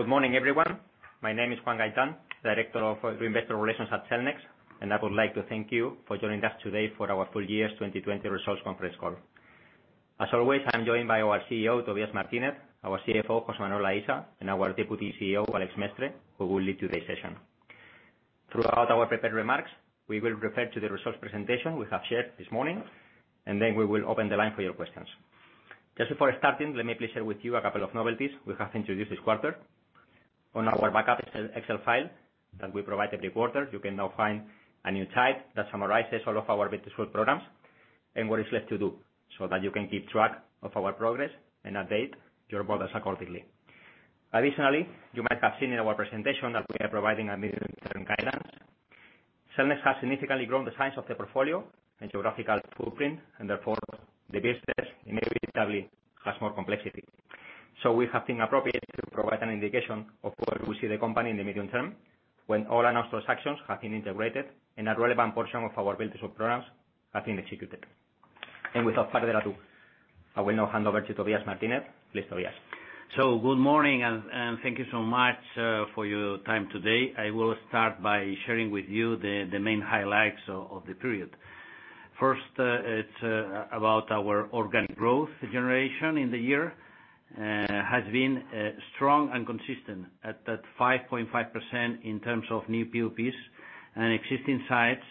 Good morning, everyone. My name is Juan Gaitán, Director of Investor Relations at Cellnex, and I would like to thank you for joining us today for our full-year 2020 results conference call. As always, I'm joined by our CEO, Tobías Martínez, our CFO, José Manuel Aisa, and our Deputy CEO, Alex Mestre, who will lead today's session. Throughout our prepared remarks, we will refer to the results presentation we have shared this morning, and then we will open the line for your questions. Just before starting, let me please share with you a couple of novelties we have introduced this quarter. On our backup Excel file that we provide every quarter, you can now find a new type that summarizes all of our business growth programs and what is left to do so that you can keep track of our progress and update your models accordingly. Additionally, you might have seen in our presentation that we are providing mid-term guidance. Cellnex has significantly grown the size of the portfolio and geographical footprint, and therefore the business inevitably has more complexity, so we deemed it appropriate to provide an indication of where we see the company in the medium term when all announced transactions have been integrated and a relevant portion of our business programs have been executed, and without further ado, I will now hand over to Tobías Martínez. Please, Tobías. Good morning, and thank you so much for your time today. I will start by sharing with you the main highlights of the period. First, it's about our organic growth generation in the year. It has been strong and consistent at 5.5% in terms of new PoPs and existing sites,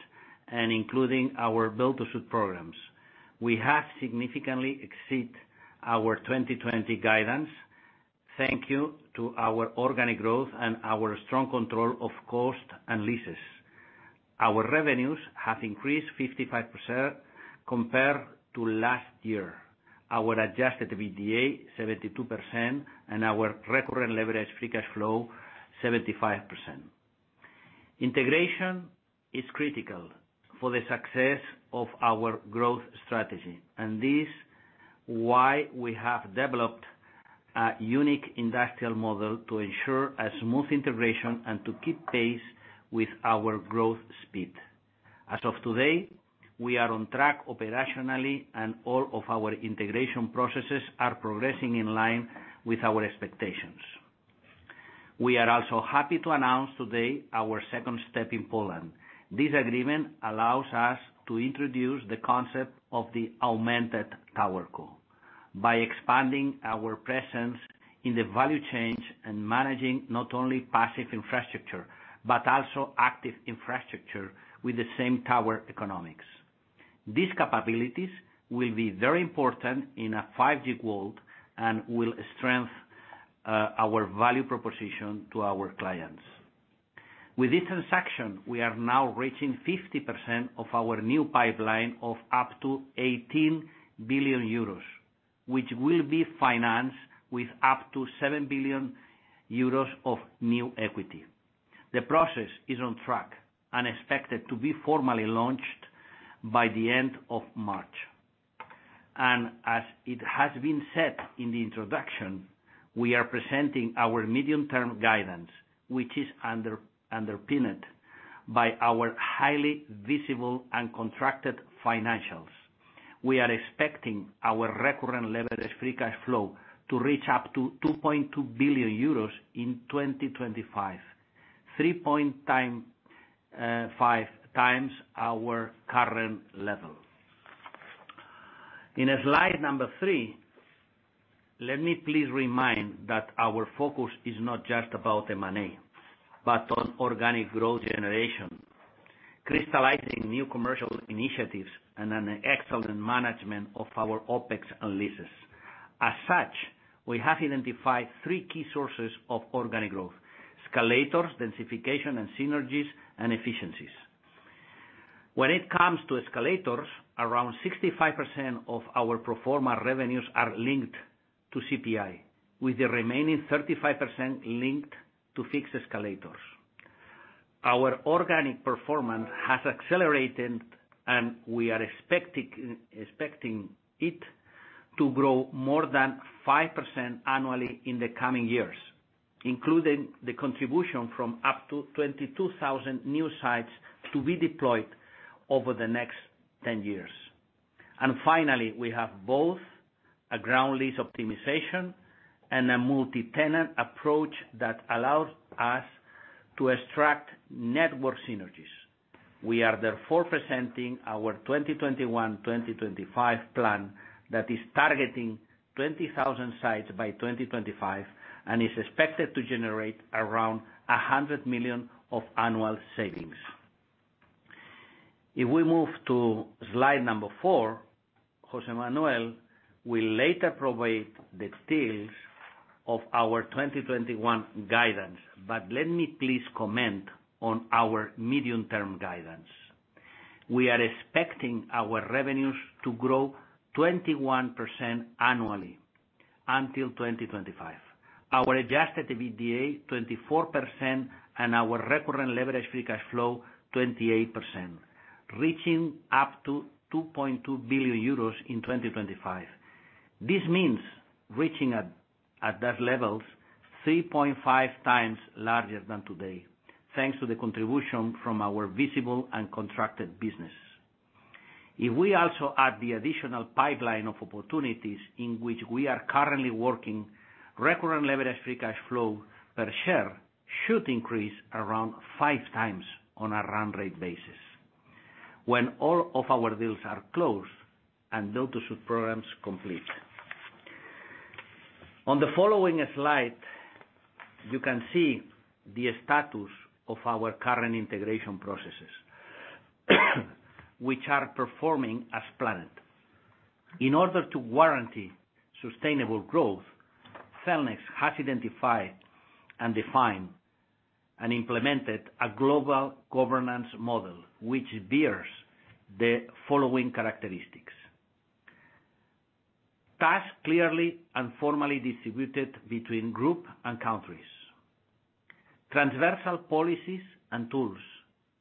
including our build-to-suit programs. We have significantly exceeded our 2020 guidance. Thank you to our organic growth and our strong control of cost and leases. Our revenues have increased 55% compared to last year. Our adjusted EBITDA is 72%, and our recurrent leveraged free cash flow is 75%. Integration is critical for the success of our growth strategy, and this is why we have developed a unique industrial model to ensure a smooth integration and to keep pace with our growth speed. As of today, we are on track operationally, and all of our integration processes are progressing in line with our expectations. We are also happy to announce today our second step in Poland. This agreement allows us to introduce the concept of the Augmented TowerCo by expanding our presence in the value chain and managing not only passive infrastructure but also active infrastructure with the same tower economics. These capabilities will be very important in a 5G world and will strengthen our value proposition to our clients. With this transaction, we are now reaching 50% of our new pipeline of up to 18 billion euros, which will be financed with up to 7 billion euros of new equity. The process is on track and expected to be formally launched by the end of March. As it has been said in the introduction, we are presenting our medium-term guidance, which is underpinned by our highly visible and contracted financials. We are expecting our recurrent leveraged free cash flow to reach up to 2.2 billion euros in 2025, 3.5x our current level. In slide number three, let me please remind that our focus is not just about M&A but on organic growth generation, crystallizing new commercial initiatives, and an excellent management of our OpEx and leases. As such, we have identified three key sources of organic growth: escalators, densification, and synergies and efficiencies. When it comes to escalators, around 65% of our pro forma revenues are linked to CPI, with the remaining 35% linked to fixed escalators. Our organic performance has accelerated, and we are expecting it to grow more than 5% annually in the coming years, including the contribution from up to 22,000 new sites to be deployed over the next 10 years. And finally, we have both a ground lease optimization and a multi-tenant approach that allows us to extract network synergies. We are therefore presenting our 2021-2025 plan that is targeting 20,000 sites by 2025 and is expected to generate around 100 million of annual savings. If we move to slide number four, José Manuel will later provide the details of our 2021 guidance, but let me please comment on our medium-term guidance. We are expecting our revenues to grow 21% annually until 2025, our Adjusted EBITDA 24%, and our recurrent leveraged free cash flow 28%, reaching up to 2.2 billion euros in 2025. This means reaching at those levels 3.5x larger than today, thanks to the contribution from our visible and contracted businesses. If we also add the additional pipeline of opportunities in which we are currently working, recurrent leveraged free cash flow per share should increase around 5x on a run rate basis when all of our deals are closed and build-to-suit programs complete. On the following slide, you can see the status of our current integration processes, which are performing as planned. In order to guarantee sustainable growth, Cellnex has identified and defined and implemented a global governance model which bears the following characteristics. Tasks clearly and formally distributed between groups and countries. Transversal policies and tools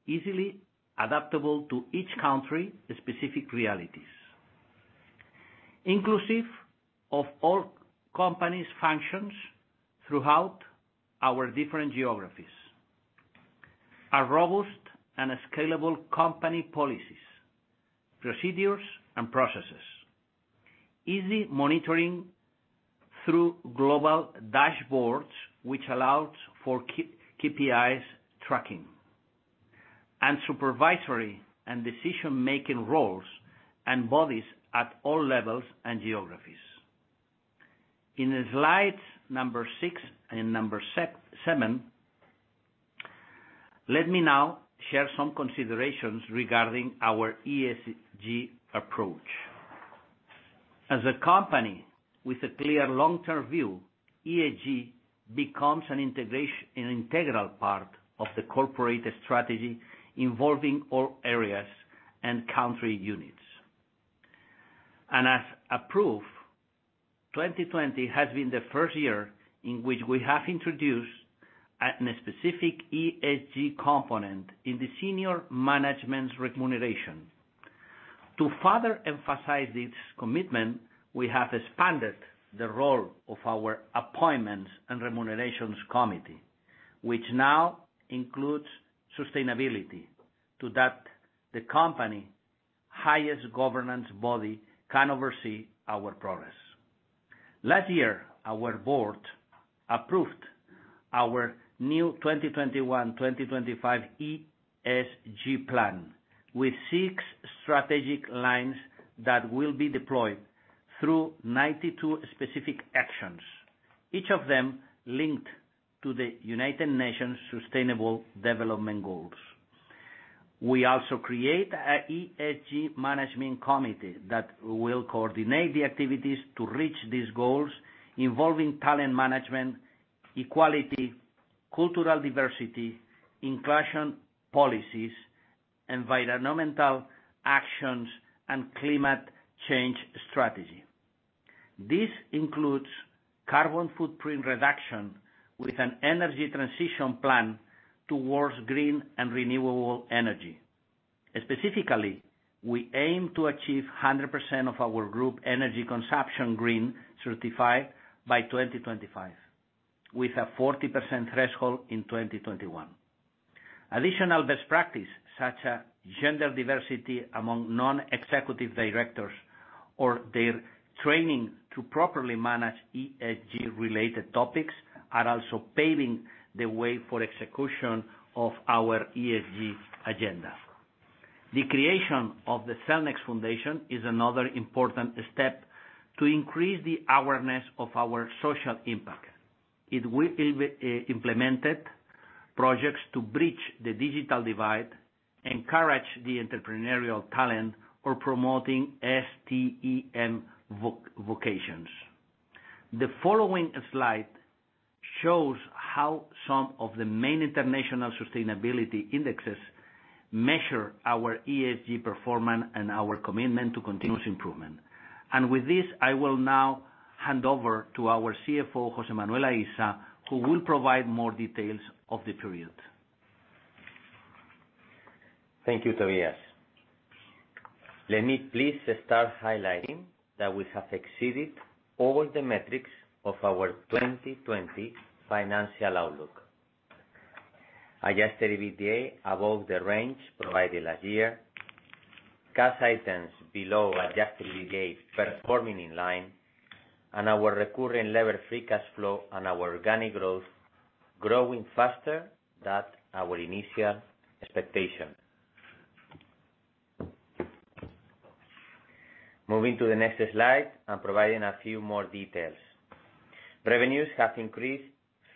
easily adaptable to each country's specific realities, inclusive of all companies' functions throughout our different geographies. A robust and scalable company policies, procedures, and processes. Easy monitoring through global dashboards, which allows for KPIs tracking. And supervisory and decision-making roles and bodies at all levels and geographies. In slides number six and number seven, let me now share some considerations regarding our ESG approach. As a company with a clear long-term view, ESG becomes an integral part of the corporate strategy involving all areas and country units, and as approved, 2020 has been the first year in which we have introduced a specific ESG component in the senior management's remuneration. To further emphasize this commitment, we have expanded the role of our appointments and remunerations committee, which now includes sustainability so that the company's highest governance body can oversee our progress. Last year, our board approved our new 2021-2025 ESG plan with six strategic lines that will be deployed through 92 specific actions, each of them linked to the United Nations Sustainable Development Goals. We also created an ESG management committee that will coordinate the activities to reach these goals involving talent management, equality, cultural diversity, inclusion policies, environmental actions, and climate change strategy. This includes carbon footprint reduction with an energy transition plan towards green and renewable energy. Specifically, we aim to achieve 100% of our group energy consumption green certified by 2025, with a 40% threshold in 2021. Additional best practices such as gender diversity among non-executive directors or their training to properly manage ESG-related topics are also paving the way for execution of our ESG agenda. The creation of the Cellnex Foundation is another important step to increase the awareness of our social impact. It will implement projects to bridge the digital divide, encourage the entrepreneurial talent, or promote STEM vocations. The following slide shows how some of the main international sustainability indexes measure our ESG performance and our commitment to continuous improvement. With this, I will now hand over to our CFO, José Manuel Aisa, who will provide more details of the period. Thank you, Tobías. Let me please start highlighting that we have exceeded all the metrics of our 2020 financial outlook. Adjusted EBITDA above the range provided last year, cash items below adjusted EBITDA performing in line, and our recurrent leveraged free cash flow and our organic growth growing faster than our initial expectation. Moving to the next slide and providing a few more details. Revenues have increased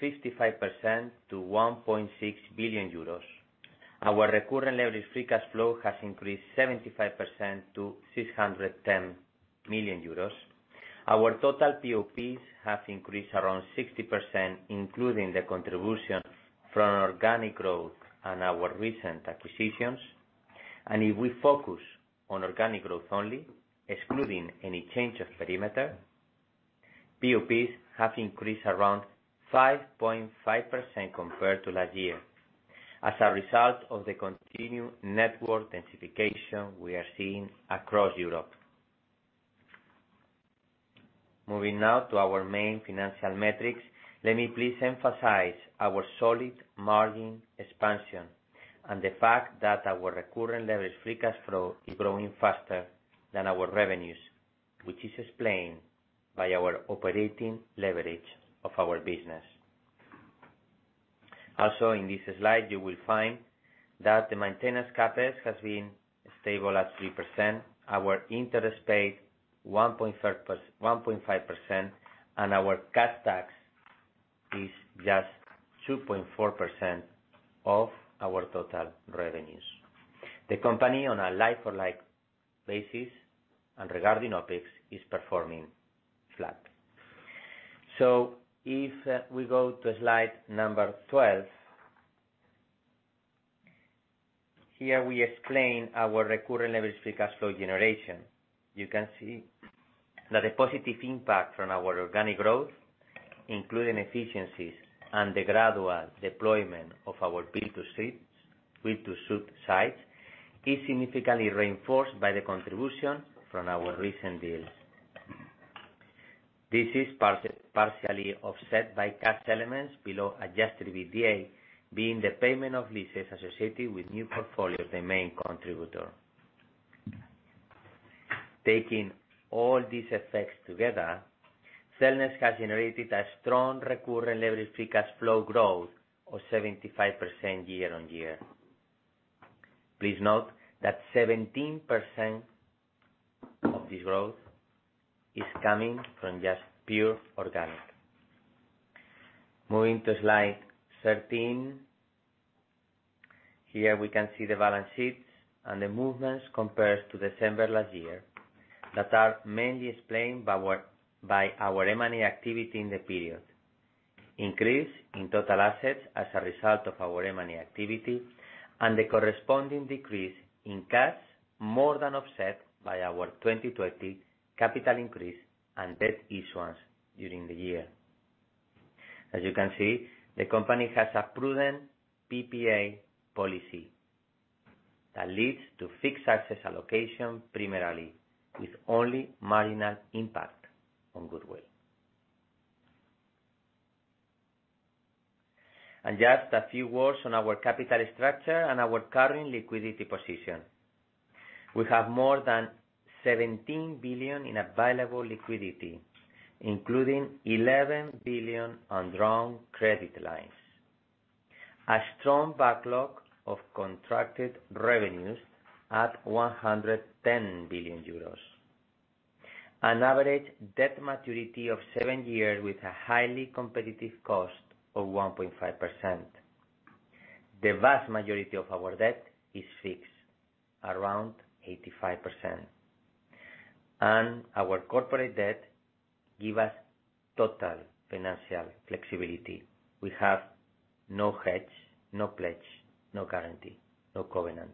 55% to 1.6 billion euros. Our recurrent leveraged free cash flow has increased 75% to 610 million euros. Our total PoPs have increased around 60%, including the contribution from organic growth and our recent acquisitions. And if we focus on organic growth only, excluding any change of perimeter, PoPs have increased around 5.5% compared to last year as a result of the continued network densification we are seeing across Europe. Moving now to our main financial metrics, let me please emphasize our solid margin expansion and the fact that our recurrent leveraged free cash flow is growing faster than our revenues, which is explained by our operating leverage of our business. Also, in this slide, you will find that the maintenance CapEx has been stable at 3%, our interest paid 1.5%, and our cash tax is just 2.4% of our total revenues. The company, on a like-for-like basis and regarding OpEx, is performing flat, so if we go to slide number 12, here we explain our recurrent leveraged free cash flow generation. You can see that the positive impact from our organic growth, including efficiencies and the gradual deployment of our build-to-suit sites, is significantly reinforced by the contribution from our recent deals. This is partially offset by cash elements below adjusted EBITDA, being the payment of leases associated with new portfolios the main contributor. Taking all these effects together, Cellnex has generated a strong recurrent leveraged free cash flow growth of 75% year-on-year. Please note that 17% of this growth is coming from just pure organic. Moving to slide 13, here we can see the balance sheets and the movements compared to December last year that are mainly explained by our M&A activity in the period, increase in total assets as a result of our M&A activity, and the corresponding decrease in cash, more than offset by our 2020 capital increase and debt issuance during the year. As you can see, the company has a prudent PPA policy that leads to fixed asset allocation primarily, with only marginal impact on goodwill. Just a few words on our capital structure and our current liquidity position. We have more than 17 billion in available liquidity, including 11 billion on drawn credit lines, a strong backlog of contracted revenues at 110 billion euros, an average debt maturity of seven years with a highly competitive cost of 1.5%. The vast majority of our debt is fixed, around 85%, and our corporate debt gives us total financial flexibility. We have no hedge, no pledge, no guarantee, no covenant.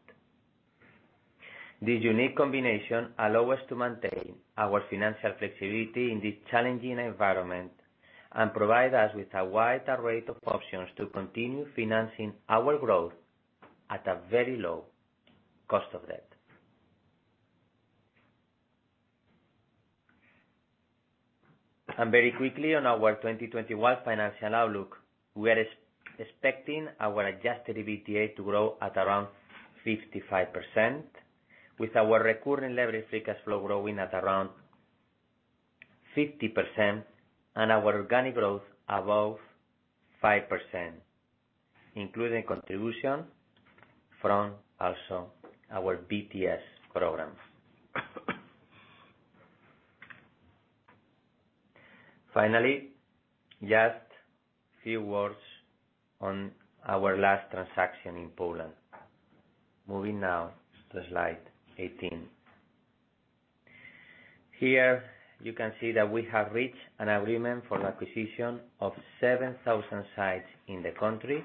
This unique combination allows us to maintain our financial flexibility in this challenging environment and provides us with a wide array of options to continue financing our growth at a very low cost of debt. Very quickly, on our 2021 financial outlook, we are expecting our adjusted EBITDA to grow at around 55%, with our recurrent leveraged free cash flow growing at around 50%, and our organic growth above 5%, including contribution from also our BTS program. Finally, just a few words on our last transaction in Poland. Moving now to slide 18. Here you can see that we have reached an agreement for the acquisition of 7,000 sites in the country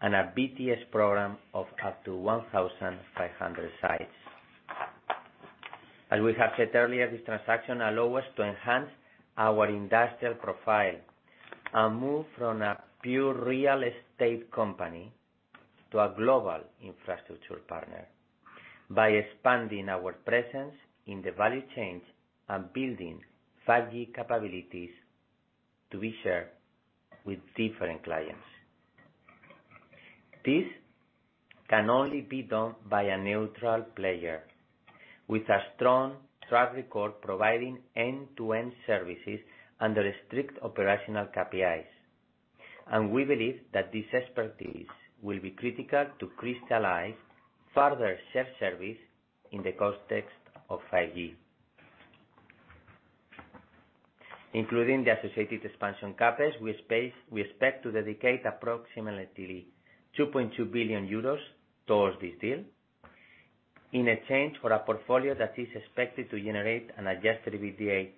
and a BTS program of up to 1,500 sites. As we have said earlier, this transaction allows us to enhance our industrial profile and move from a pure real estate company to a global infrastructure partner by expanding our presence in the value chain and building 5G capabilities to be shared with different clients. This can only be done by a neutral player with a strong track record providing end-to-end services under strict operational KPIs, and we believe that this expertise will be critical to crystallize further shared service in the context of 5G. Including the associated expansion CapEx, we expect to dedicate approximately 2.2 billion euros towards this deal in exchange for a portfolio that is expected to generate an adjusted EBITDA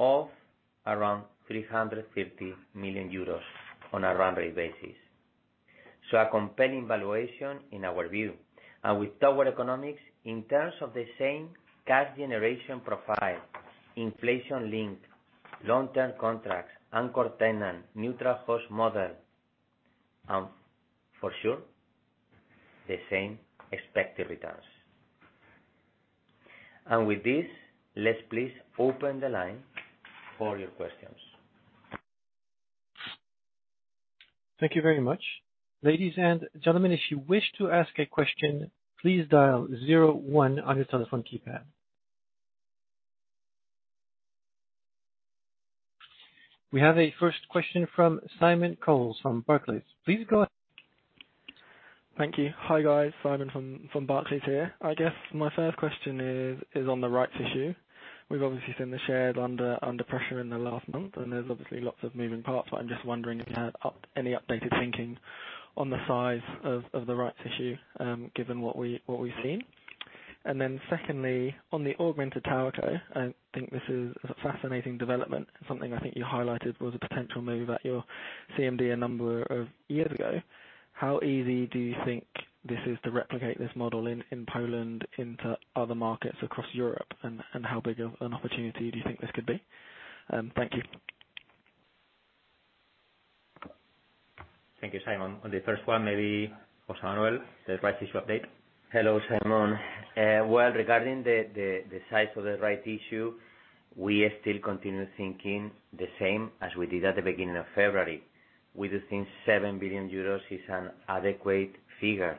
of around 350 million euros on a run rate basis, so a compelling valuation in our view, and with our economics, in terms of the same cash generation profile, inflation-linked long-term contracts, anchor tenant, neutral host model, and for sure, the same expected returns, and with this, let's please open the line for your questions. Thank you very much. Ladies and gentlemen, if you wish to ask a question, please dial zero one on your telephone keypad. We have a first question from Simon Coles from Barclays. Please go ahead. Thank you. Hi, guys. Simon from Barclays here. I guess my first question is on the rights issue. We've obviously seen the shares under pressure in the last month, and there's obviously lots of moving parts, but I'm just wondering if you had any updated thinking on the size of the rights issue given what we've seen. And then secondly, on the Augmented TowerCo, I think this is a fascinating development. Something I think you highlighted was a potential move at your CMD a number of years ago. How easy do you think this is to replicate this model in Poland into other markets across Europe, and how big of an opportunity do you think this could be? Thank you. Thank you, Simon. On the first one, maybe José Manuel, the rights issue update. Hello, Simon. Well, regarding the size of the rights issue, we are still continuing thinking the same as we did at the beginning of February. We do think 7 billion euros is an adequate figure.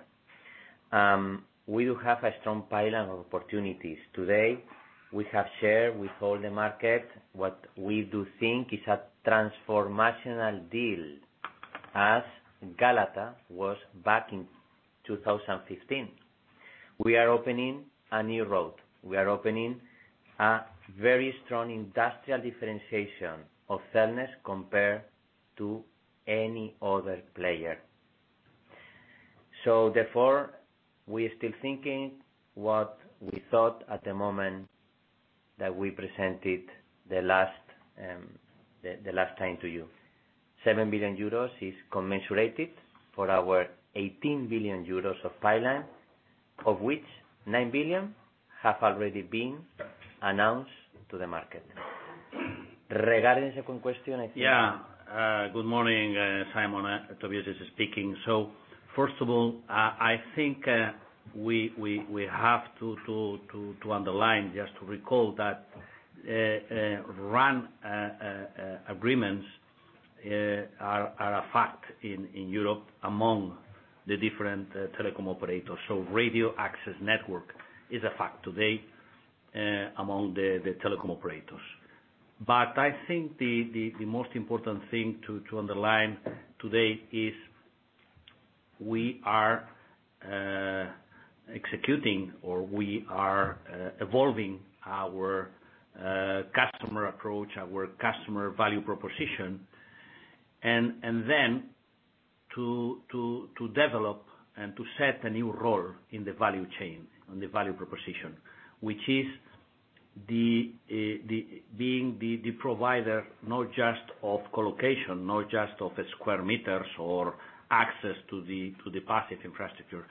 We do have a strong pile of opportunities. Today, we have shared with all the markets what we do think is a transformational deal as Galata was back in 2015. We are opening a new road. We are opening a very strong industrial differentiation of Cellnex compared to any other player. So therefore, we are still thinking what we thought at the moment that we presented the last time to you. 7 billion euros is commensurate for our 18 billion euros of pipeline, of which 9 billion have already been announced to the market. Regarding the second question, I think. Yeah. Good morning, Simon. Tobías is speaking. So first of all, I think we have to underline just to recall that RAN agreements are a fact in Europe among the different telecom operators. So radio access network is a fact today among the telecom operators. But I think the most important thing to underline today is we are executing or we are evolving our customer approach, our customer value proposition, and then to develop and to set a new role in the value chain, on the value proposition, which is being the provider not just of colocation, not just of square meters or access to the passive infrastructure.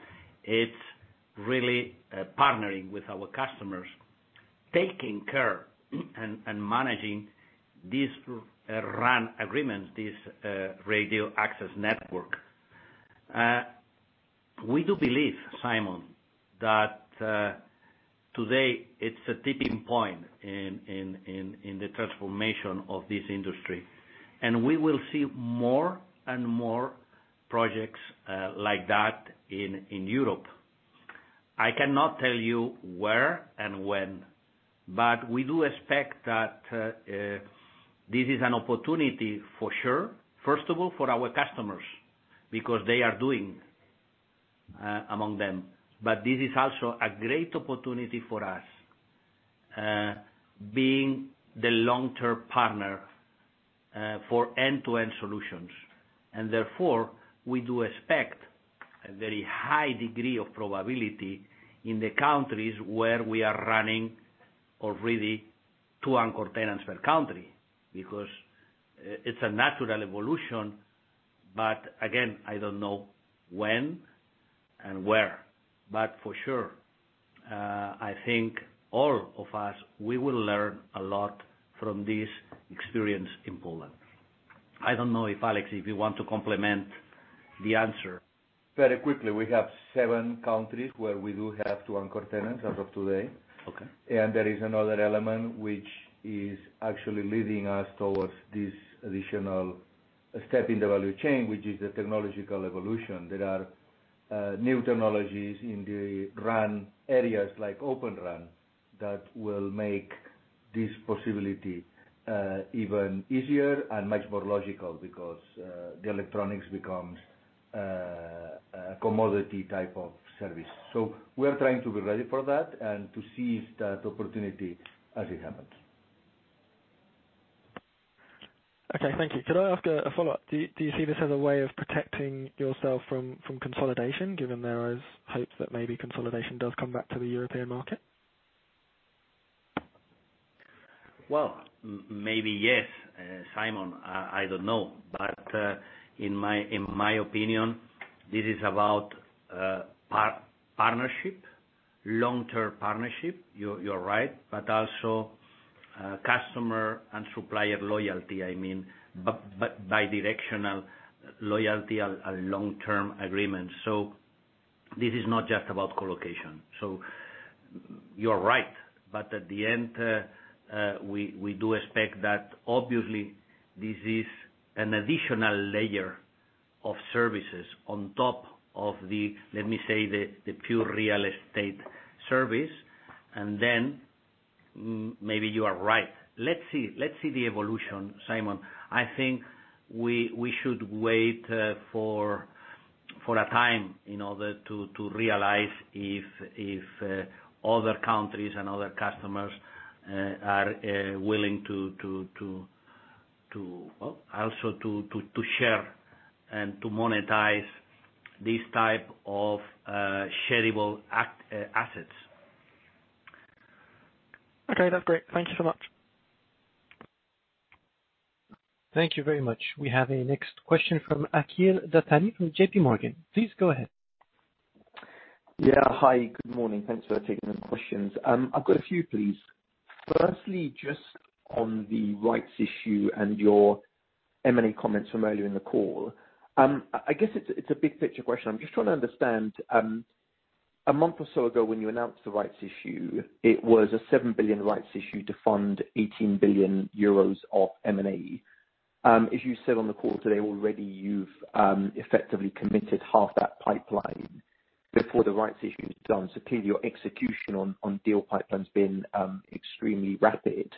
It's really partnering with our customers, taking care and managing these RAN agreements, this radio access network. We do believe, Simon, that today it's a tipping point in the transformation of this industry, and we will see more and more projects like that in Europe. I cannot tell you where and when, but we do expect that this is an opportunity for sure, first of all, for our customers because they are doing among them, but this is also a great opportunity for us being the long-term partner for end-to-end solutions, and therefore, we do expect a very high degree of probability in the countries where we are running already two anchor tenants per country because it's a natural evolution, but again, I don't know when and where, but for sure, I think all of us, we will learn a lot from this experience in Poland. I don't know, Alex, if you want to complement the answer. Very quickly, we have seven countries where we do have two anchor tenants as of today. And there is another element which is actually leading us towards this additional step in the value chain, which is the technological evolution. There are new technologies in the RAN areas like OpenRAN that will make this possibility even easier and much more logical because the electronics becomes a commodity type of service. So we are trying to be ready for that and to seize that opportunity as it happens. Okay. Thank you. Could I ask a follow-up? Do you see this as a way of protecting yourself from consolidation, given there are hopes that maybe consolidation does come back to the European market? Maybe yes, Simon. I don't know. But in my opinion, this is about partnership, long-term partnership. You're right. But also customer and supplier loyalty, I mean, bidirectional loyalty and long-term agreements. So this is not just about colocation. So you're right. But at the end, we do expect that obviously this is an additional layer of services on top of the, let me say, the pure real estate service. And then maybe you are right. Let's see the evolution, Simon. I think we should wait for a time in order to realize if other countries and other customers are willing to, well, also to share and to monetize this type of shareable assets. Okay. That's great. Thank you so much. Thank you very much. We have a next question from Akhil Dattani from JPMorgan. Please go ahead. Yeah. Hi. Good morning. Thanks for taking the questions. I've got a few, please. Firstly, just on the rights issue and your M&A comments from earlier in the call, I guess it's a big picture question. I'm just trying to understand. A month or so ago when you announced the rights issue, it was a 7 billion rights issue to fund 18 billion euros of M&A. As you said on the call today, already you've effectively committed half that pipeline before the rights issue is done. So clearly, your execution on deal pipeline has been extremely rapid.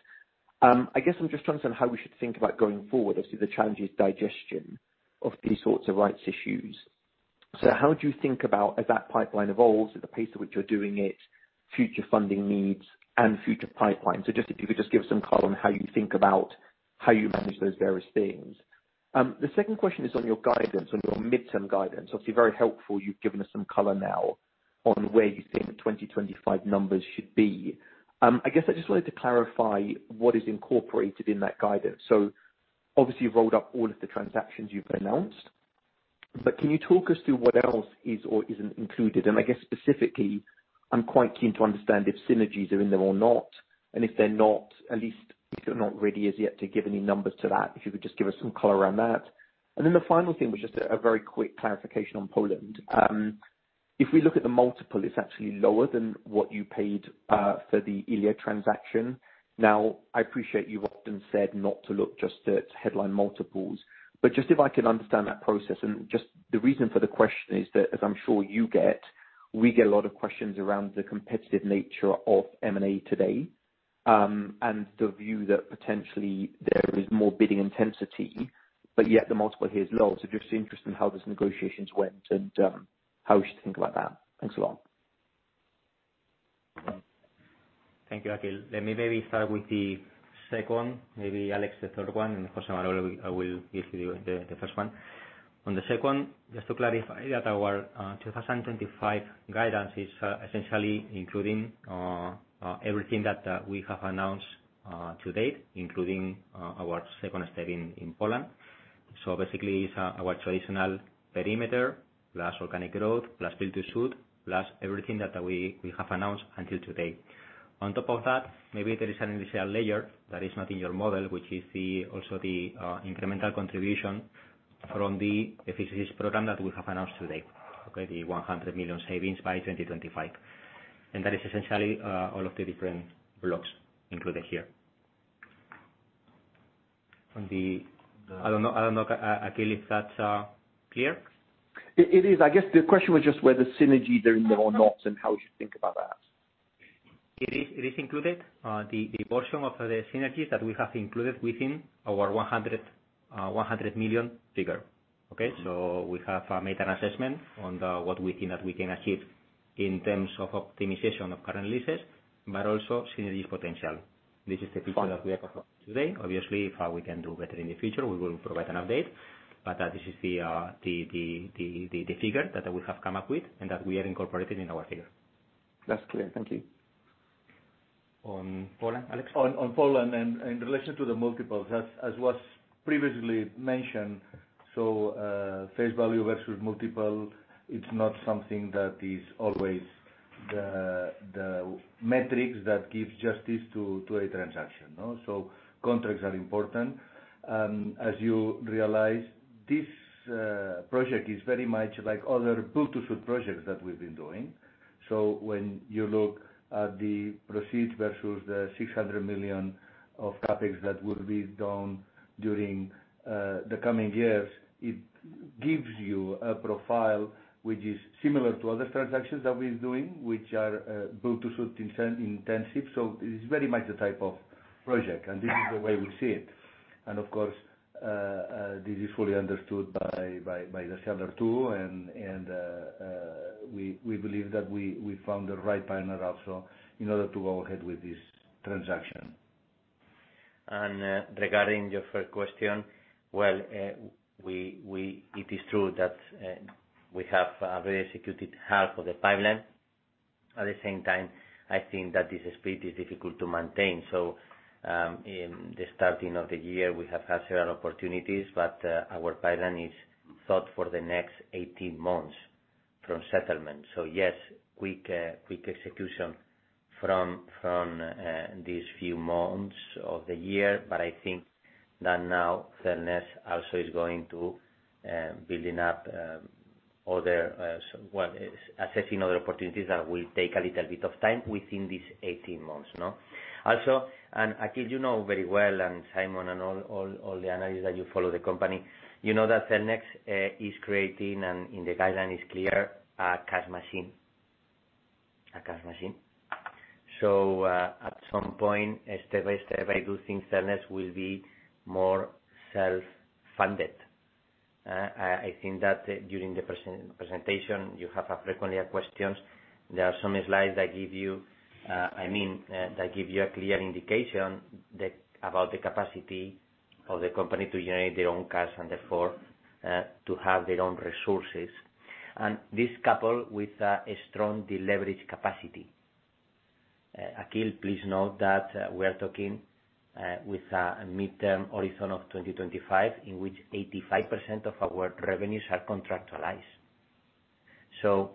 I guess I'm just trying to understand how we should think about going forward. Obviously, the challenge is digestion of these sorts of rights issues. So how do you think about, as that pipeline evolves, the pace at which you're doing it, future funding needs, and future pipeline? So just if you could just give us some color on how you think about how you manage those various things. The second question is on your guidance, on your midterm guidance. Obviously, very helpful. You've given us some color now on where you think 2025 numbers should be. I guess I just wanted to clarify what is incorporated in that guidance. So obviously, you've rolled up all of the transactions you've announced, but can you talk us through what else is or isn't included? And I guess specifically, I'm quite keen to understand if synergies are in them or not. And if they're not, at least if you're not ready as yet to give any numbers to that, if you could just give us some color around that. And then the final thing was just a very quick clarification on Poland. If we look at the multiple, it's actually lower than what you paid for the Iliad transaction. Now, I appreciate you've often said not to look just at headline multiples, but just if I can understand that process. And just the reason for the question is that, as I'm sure you get, we get a lot of questions around the competitive nature of M&A today and the view that potentially there is more bidding intensity, but yet the multiple here is low. So just interested in how those negotiations went and how we should think about that. Thanks a lot. Thank you, Akhil. Let me maybe start with the second, maybe Alex, the third one, and José Manuel, I will give you the first one. On the second, just to clarify that our 2025 guidance is essentially including everything that we have announced to date, including our second step in Poland. So basically, it's our traditional perimeter plus organic growth plus build-to-suit plus everything that we have announced until today. On top of that, maybe there is an initial layer that is not in your model, which is also the incremental contribution from the efficiency program that we have announced today, okay, the 100 million savings by 2025. And that is essentially all of the different blocks included here. I don't know, Akhil, if that's clear? It is. I guess the question was just whether synergies are in there or not and how would you think about that? It is included in the portion of the synergies that we have included within our 100 million figure. Okay? So we have made an assessment on what we think that we can achieve in terms of optimization of current leases, but also synergy potential. This is the feature that we have today. Obviously, if we can do better in the future, we will provide an update. But this is the figure that we have come up with and that we are incorporating in our figure. That's clear. Thank you. On Poland, Alex? On Poland, and in relation to the multiples, as was previously mentioned, so face value versus multiple, it's not something that is always the metrics that give justice to a transaction, so contracts are important. As you realize, this project is very much like other build-to-suit projects that we've been doing, so when you look at the proceeds versus the 600 million of CapEx that will be done during the coming years, it gives you a profile which is similar to other transactions that we're doing, which are build-to-suit intensive, so it's very much the type of project, and this is the way we see it, and of course, this is fully understood by the seller too, and we believe that we found the right partner also in order to go ahead with this transaction. Regarding your first question, well, it is true that we have already executed half of the pipeline. At the same time, I think that this speed is difficult to maintain. So in the starting of the year, we have had several opportunities, but our pipeline is thought for the next 18 months from settlement. So yes, quick execution from these few months of the year, but I think that now Cellnex also is going to build up, assessing other opportunities that will take a little bit of time within these 18 months. Also, and Akhil, you know very well, and Simon and all the analysts that you follow the company, you know that Cellnex is creating, and in the guideline is clear, a cash machine. So at some point, step by step, I do think Cellnex will be more self-funded. I think that during the presentation, you have frequently had questions. There are so many slides that give you, I mean, that give you a clear indication about the capacity of the company to generate their own cash and therefore to have their own resources. And this coupled with a strong deleveraging capacity. Akhil, please note that we are talking with a midterm horizon of 2025, in which 85% of our revenues are contractualized. So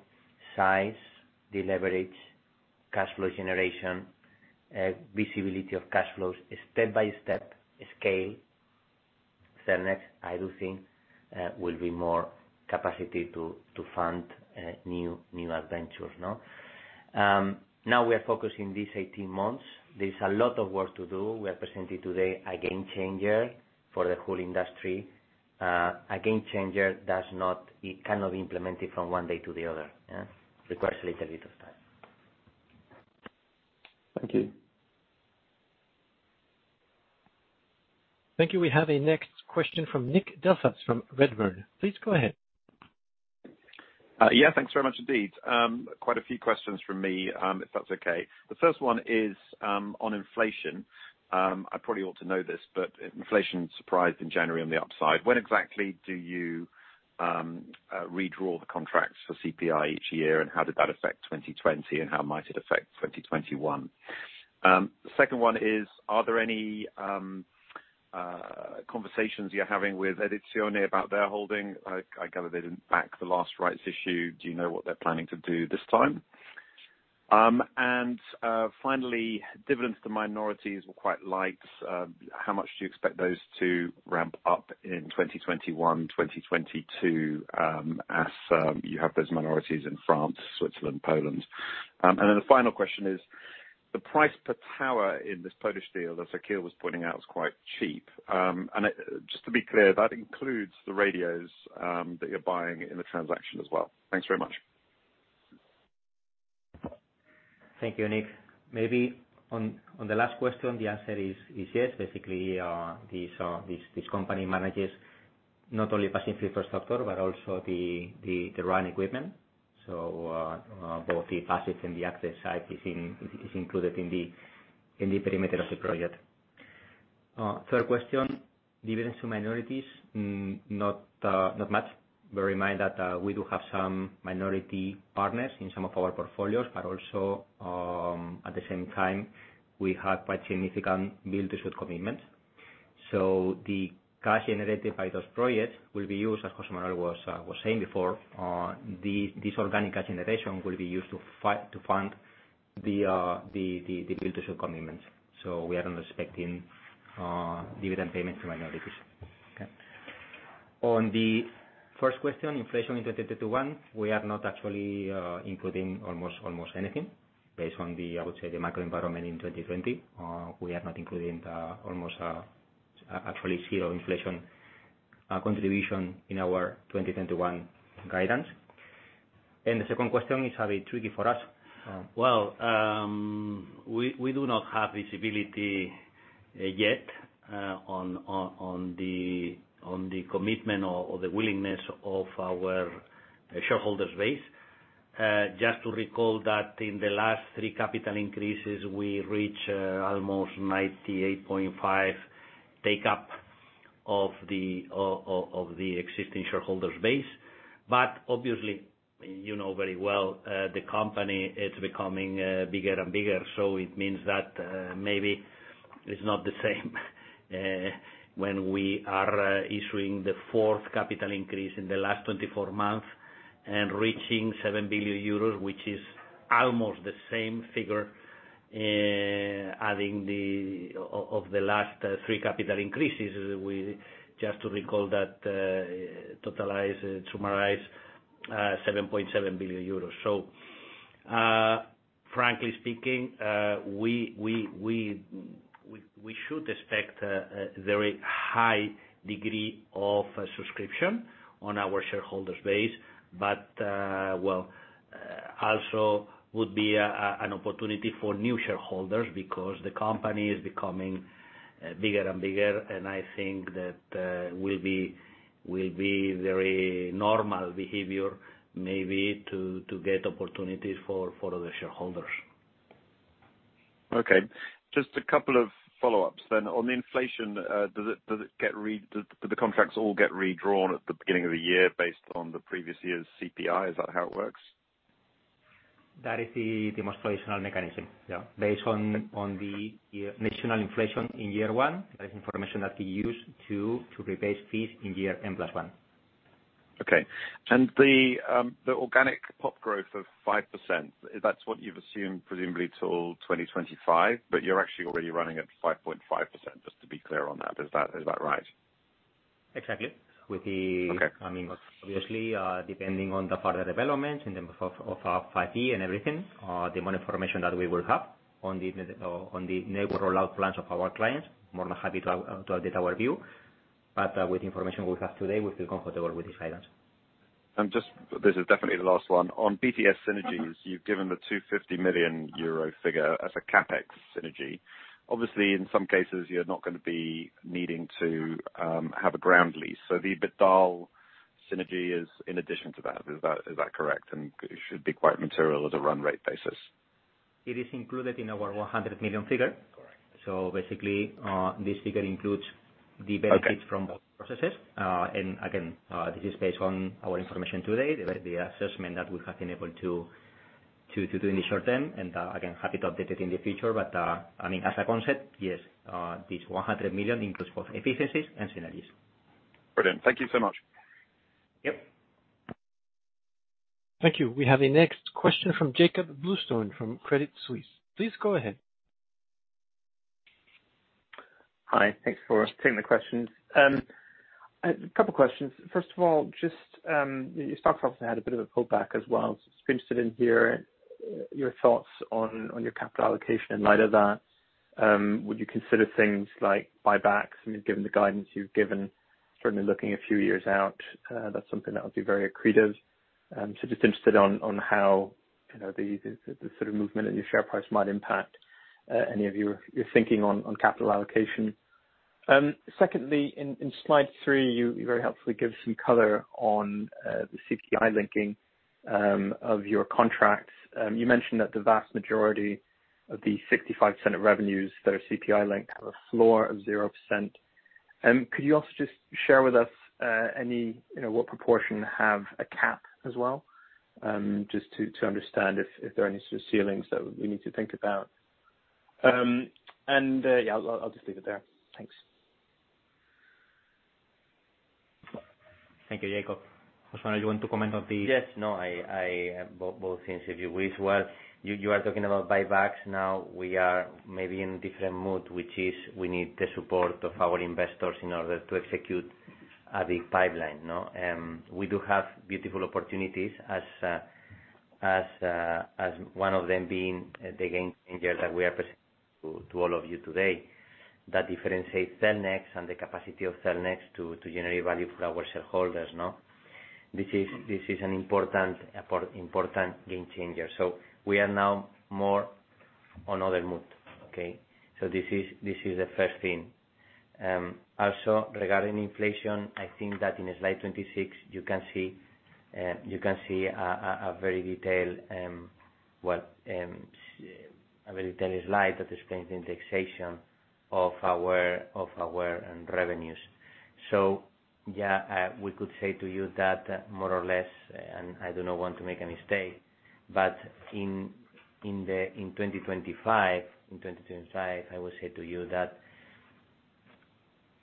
size, deleverage, cash flow generation, visibility of cash flows, step by step scale, Cellnex, I do think, will be more capacity to fund new adventures. Now we are focusing these 18 months. There is a lot of work to do. We are presenting today a game changer for the whole industry. A game changer does not cannot be implemented from one day to the other. It requires a little bit of time. Thank you. Thank you. We have a next question from Nick Delfas from Redburn. Please go ahead. Yeah. Thanks very much indeed. Quite a few questions from me, if that's okay. The first one is on inflation. I probably ought to know this, but inflation surprised in January on the upside. When exactly do you redraw the contracts for CPI each year, and how did that affect 2020, and how might it affect 2021? The second one is, are there any conversations you're having with Edizione about their holding? I gather they didn't back the last rights issue. Do you know what they're planning to do this time? And finally, dividends to minorities were quite light. How much do you expect those to ramp up in 2021, 2022, as you have those minorities in France, Switzerland, Poland? And then the final question is, the price per tower in this Polish deal that Akhil was pointing out was quite cheap. Just to be clear, that includes the radios that you're buying in the transaction as well. Thanks very much. Thank you, Nick. Maybe on the last question, the answer is yes. Basically, this company manages not only passive infrastructure but also the RAN equipment. So both the passive and the active side is included in the perimeter of the project. Third question, dividends to minorities, not much. Bear in mind that we do have some minority partners in some of our portfolios, but also at the same time, we have quite significant build-to-suit commitments. So the cash generated by those projects will be used, as José Manuel was saying before, this organic cash generation will be used to fund the build-to-suit commitments. So we are not expecting dividend payments to minorities. Okay? On the first question, inflation in 2021, we are not actually including almost anything based on the, I would say, the macro environment in 2020. We are not including almost actually zero inflation contribution in our 2021 guidance. The second question is a bit tricky for us. We do not have visibility yet on the commitment or the willingness of our shareholders' base. Just to recall that in the last three capital increases, we reached almost 98.5% take-up of the existing shareholders' base. Obviously, you know very well, the company is becoming bigger and bigger. It means that maybe it's not the same when we are issuing the fourth capital increase in the last 24 months and reaching 7 billion euros, which is almost the same figure adding of the last three capital increases. Just to recall that, totalized, summarized, EUR 7.7 billion. Frankly speaking, we should expect a very high degree of subscription on our shareholders' base, but, well, also would be an opportunity for new shareholders because the company is becoming bigger and bigger. I think that will be very normal behavior maybe to get opportunities for other shareholders. Okay. Just a couple of follow-ups then. On the inflation, do the contracts all get redrawn at the beginning of the year based on the previous year's CPI? Is that how it works? That is the escalation mechanism. Yeah. Based on the national inflation in year one, that is the information that we use to escalate fees in year M+1. Okay. And the organic PoP growth of 5%, that's what you've assumed presumably till 2025, but you're actually already running at 5.5%, just to be clear on that. Is that right? Exactly. With the coming of, obviously, depending on the further developments in terms of our 5G and everything, the more information that we will have on the network rollout plans of our clients, more than happy to update our view. But with the information we have today, we feel comfortable with this guidance. And just this is definitely the last one. On BTS synergies, you've given the 250 million euro figure as a CapEx synergy. Obviously, in some cases, you're not going to be needing to have a ground lease. So the build synergy is in addition to that. Is that correct? And it should be quite material as a run rate basis. It is included in our 100 million figure. So basically, this figure includes the benefits from both processes. And again, this is based on our information today, the assessment that we have been able to do in the short term, and again, happy to update it in the future. But I mean, as a concept, yes, this 100 million includes both efficiencies and synergies. Brilliant. Thank you so much. Yep. Thank you. We have a next question from Jakob Bluestone from Credit Suisse. Please go ahead. Hi. Thanks for taking the questions. A couple of questions. First of all, your stock price had a bit of a pullback as well. So I'm interested in hearing your thoughts on your capital allocation in light of that. Would you consider things like buybacks? I mean, given the guidance you've given, certainly looking a few years out, that's something that would be very accretive. So just interested on how the sort of movement in your share price might impact any of your thinking on capital allocation. Secondly, in slide three, you very helpfully give some color on the CPI linking of your contracts. You mentioned that the vast majority of the 65% of revenues that are CPI linked have a floor of 0%. Could you also just share with us what proportion have a cap as well, just to understand if there are any sort of ceilings that we need to think about? And yeah, I'll just leave it there. Thanks. Thank you, Jakob. José Manuel, you want to comment on the? Yes. No, I do both things if you wish. Well, you are talking about buybacks. Now we are maybe in a different mood, which is we need the support of our investors in order to execute a big pipeline. We do have beautiful opportunities, as one of them being the game changer that we are presenting to all of you today, that differentiates Cellnex and the capacity of Cellnex to generate value for our shareholders. This is an important game changer. So we are now more in other mood. Okay? So this is the first thing. Also, regarding inflation, I think that in slide 26, you can see a very detailed slide that explains the indexation of our revenues. So yeah, we could say to you that more or less, and I do not want to make a mistake, but in 2025, I will say to you that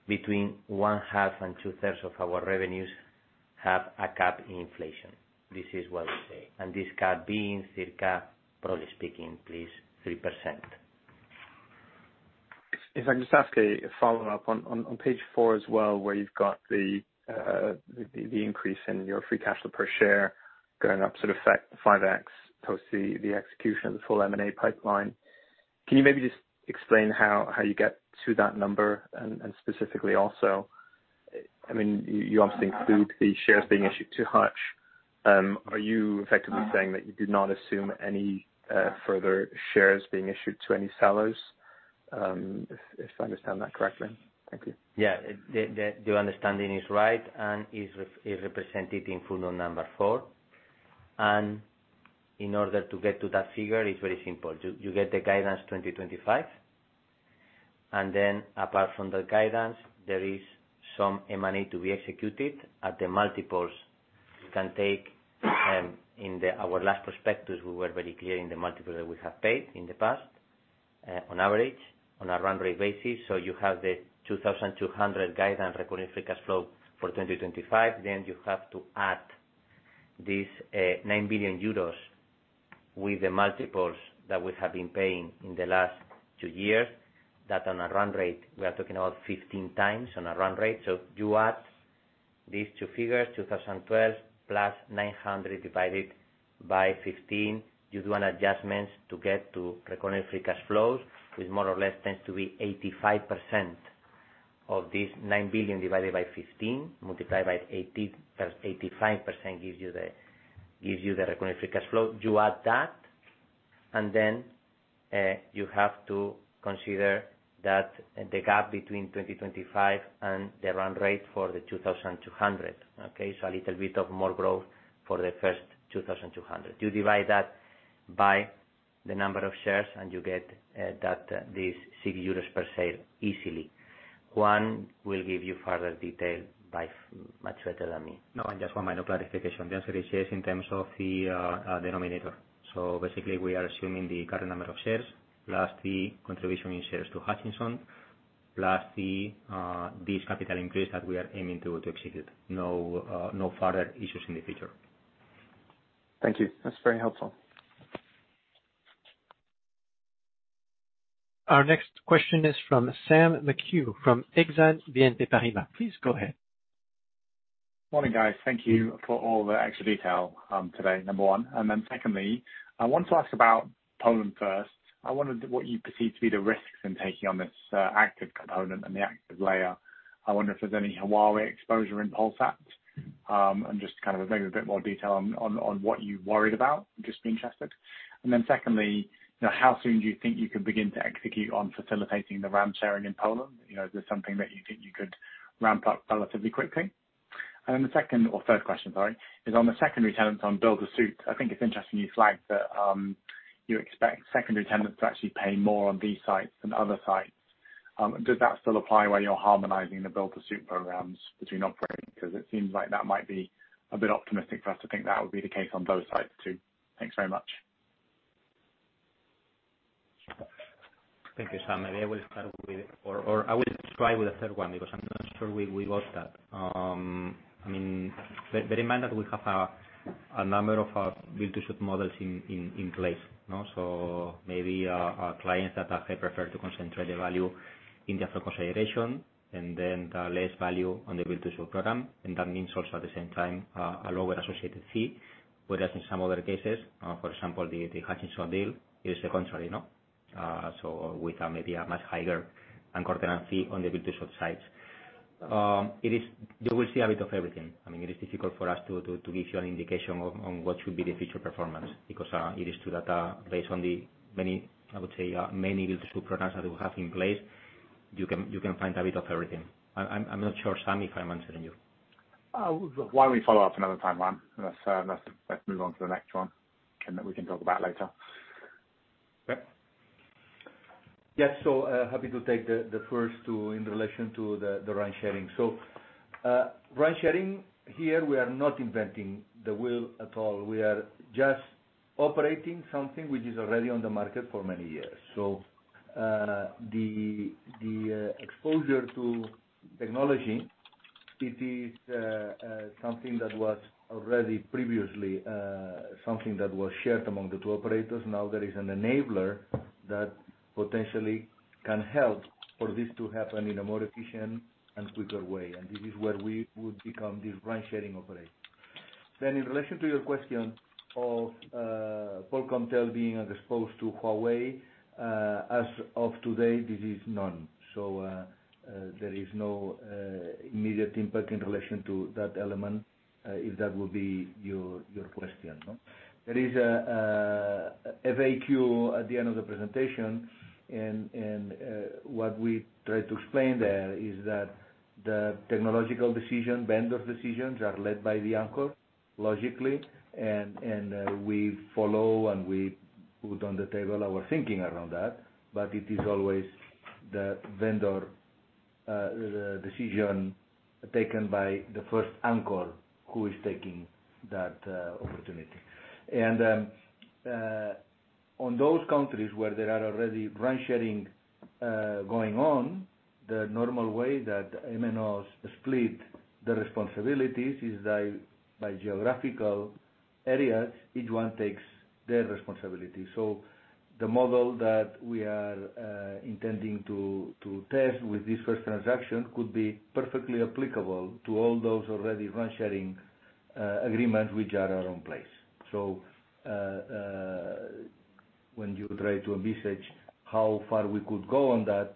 between 1/2 and 2/3 of our revenues have a cap on inflation. This is what we say. And this cap being circa, probably speaking, please, 3%. If I can just ask a follow-up on page four as well, where you've got the increase in your free cash flow per share going up sort of 5x post the execution of the full M&A pipeline. Can you maybe just explain how you get to that number? And specifically also, I mean, you obviously include the shares being issued too much. Are you effectively saying that you do not assume any further shares being issued to any sellers, if I understand that correctly? Thank you. Yeah. The understanding is right, and it's represented in full on number four, and in order to get to that figure, it's very simple. You get the guidance 2025, and then apart from the guidance, there is some M&A to be executed at the multiples you can take in our last prospectus. We were very clear in the multiples that we have paid in the past, on average, on a run rate basis. So you have the 2,200 guidance recurring free cash flow for 2025. Then you have to add this 9 billion euros with the multiples that we have been paying in the last two years, that, on a run rate, we are talking about 15x on a run rate. So you add these two figures, 2,012 + 900 divided by 15. You do an adjustment to get to recurring free cash flows, which more or less tends to be 85% of this 9 billion divided by 15, multiplied by 85% gives you the recurring free cash flow. You add that, and then you have to consider that the gap between 2025 and the run rate for the 2,200. Okay? So a little bit of more growth for the first 2,200. You divide that by the number of shares, and you get these 6 euros per share easily. Juan will give you further detail much better than me. No, and just one minor clarification. The answer is yes in terms of the denominator. So basically, we are assuming the current number of shares, plus the contribution in shares to Hutchison, plus this capital increase that we are aiming to execute. No further issues in the future. Thank you. That's very helpful. Our next question is from Sam McHugh from Exane BNP Paribas. Please go ahead. Morning, guys. Thank you for all the extra detail today, number one. And then secondly, I want to ask about Poland first. I wondered what you perceive to be the risks in taking on this active component and the active layer. I wonder if there's any Huawei exposure in Polsat, and just kind of maybe a bit more detail on what you worried about, just be interested. And then secondly, how soon do you think you could begin to execute on facilitating the RAN sharing in Poland? Is this something that you think you could ramp up relatively quickly? And then the second or third question, sorry, is on the secondary tenants on build-to-suit. I think it's interesting you flagged that you expect secondary tenants to actually pay more on these sites than other sites. Does that still apply where you're harmonizing the build-to-suit programs between operators? Because it seems like that might be a bit optimistic for us to think that would be the case on both sites too. Thanks very much. Thank you, Sam. Maybe I will start with, or I will try with the third one because I'm not sure we got that. I mean, bear in mind that we have a number of build-to-suit models in place. So maybe clients that prefer to concentrate the value in the upfront consideration and then less value on the build-to-suit program. And that means also at the same time a lower associated fee, whereas in some other cases, for example, the Hutchinson deal, it is the contrary, no? So with maybe a much higher and quarterly fee on the build-to-suit sites. You will see a bit of everything. I mean, it is difficult for us to give you an indication on what should be the future performance because it is true that based on the many, I would say, many build-to-suit programs that we have in place, you can find a bit of everything. I'm not sure, Sam, if I'm answering you. Why don't we follow up another time, Ryan? Let's move on to the next one we can talk about later. Yeah. So happy to take the first two in relation to the RAN sharing. So RAN sharing here, we are not inventing the wheel at all. We are just operating something which is already on the market for many years. So the exposure to technology, it is something that was already previously something that was shared among the two operators. Now there is an enabler that potentially can help for this to happen in a more efficient and quicker way. And this is where we would become this RAN sharing operator. Then in relation to your question of Polkomtel being exposed to Huawei, as of today, this is none. So there is no immediate impact in relation to that element if that would be your question. There is a vague cue at the end of the presentation. And what we try to explain there is that the technological decision, vendor decisions are led by the anchor logically. And we follow and we put on the table our thinking around that. But it is always the vendor decision taken by the first anchor who is taking that opportunity. And on those countries where there are already RAN sharing going on, the normal way that MNOs split the responsibilities is by geographical areas. Each one takes their responsibility. So the model that we are intending to test with this first transaction could be perfectly applicable to all those already RAN sharing agreements which are in place. So when you try to envisage how far we could go on that,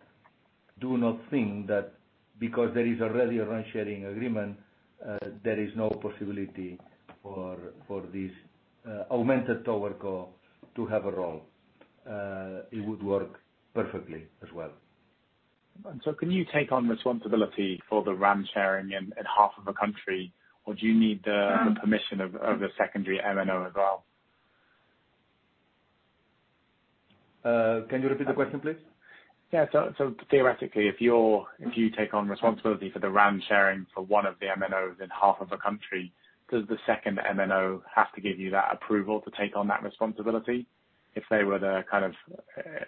do not think that because there is already a RAN sharing agreement, there is no possibility for this Augmented TowerCo to have a role. It would work perfectly as well. And so can you take on responsibility for the RAN sharing in half of a country, or do you need the permission of a secondary MNO as well? Can you repeat the question, please? Yeah. So theoretically, if you take on responsibility for the RAN sharing for one of the MNOs in half of a country, does the second MNO have to give you that approval to take on that responsibility if they were the kind of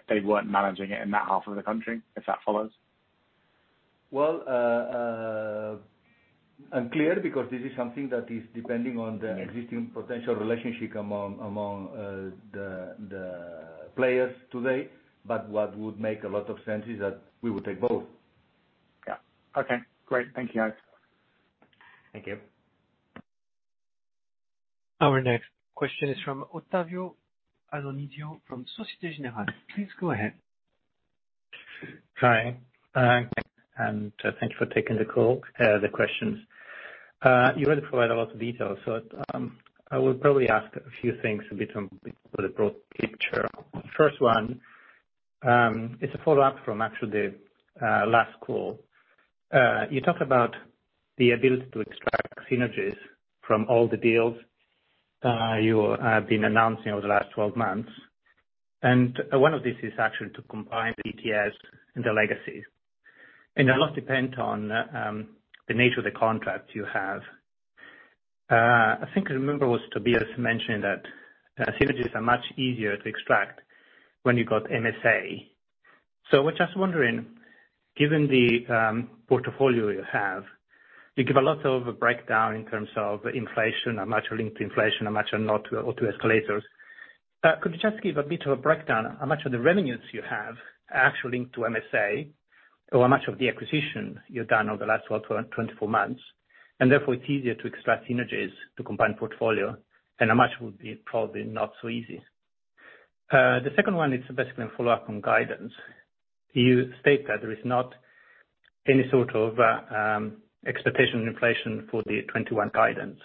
they weren't managing it in that half of the country, if that follows? Unclear because this is something that is depending on the existing potential relationship among the players today. What would make a lot of sense is that we would take both. Yeah. Okay. Great. Thank you, guys. Thank you. Our next question is from Ottavio Adorisio from Société Générale. Please go ahead. Hi, and thank you for taking the call, the questions. You already provided a lot of details, so I will probably ask a few things a bit on the broad picture. First one, it's a follow-up from actually the last call. You talked about the ability to extract synergies from all the deals you have been announcing over the last 12 months. And one of these is actually to combine the BTS and the legacy. And a lot depends on the nature of the contract you have. I think I remember was Tobías mentioning that synergies are much easier to extract when you got MSA. So we're just wondering, given the portfolio you have, you give a lot of breakdown in terms of inflation, how much are linked to inflation, how much are not, or to escalators. Could you just give a bit of a breakdown how much of the revenues you have actually linked to MSA, or how much of the acquisition you've done over the last 12 months-24 months? And therefore, it's easier to extract synergies to combine portfolio, and how much would be probably not so easy. The second one is basically a follow-up on guidance. You state that there is not any sort of expectation in inflation for the 2021 guidance.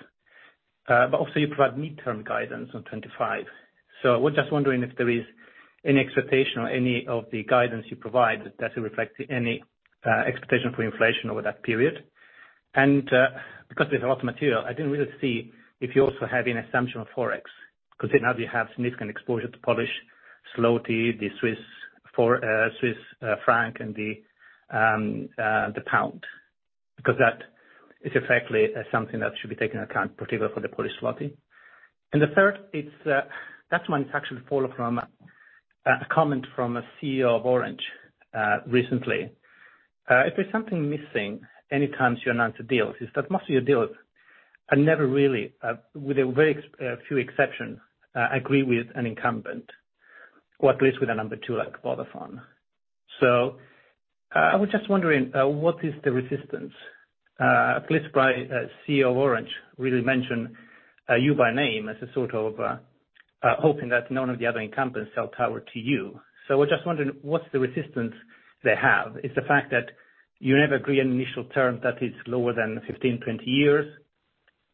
But also, you provide midterm guidance on 2025. So we're just wondering if there is any expectation or any of the guidance you provide that doesn't reflect any expectation for inflation over that period. And because there's a lot of material, I didn't really see if you also have an assumption on Forex because now you have significant exposure to Polish zloty, the Swiss franc, and the pound. Because that is effectively something that should be taken into account, particularly for the Polish zloty. And the third, that one is actually followed from a comment from a CEO of Orange recently. If there's something missing anytime you announce a deal, it's that most of your deals are never really, with a very few exceptions, agree with an incumbent, or at least with a number two like Vodafone. So I was just wondering what is the resistance? At least by a CEO of Orange, really mention you by name as a sort of hoping that none of the other incumbents sell tower to you. So we're just wondering what's the resistance they have? It's the fact that you never agree on initial terms that is lower than 15 years-20 years.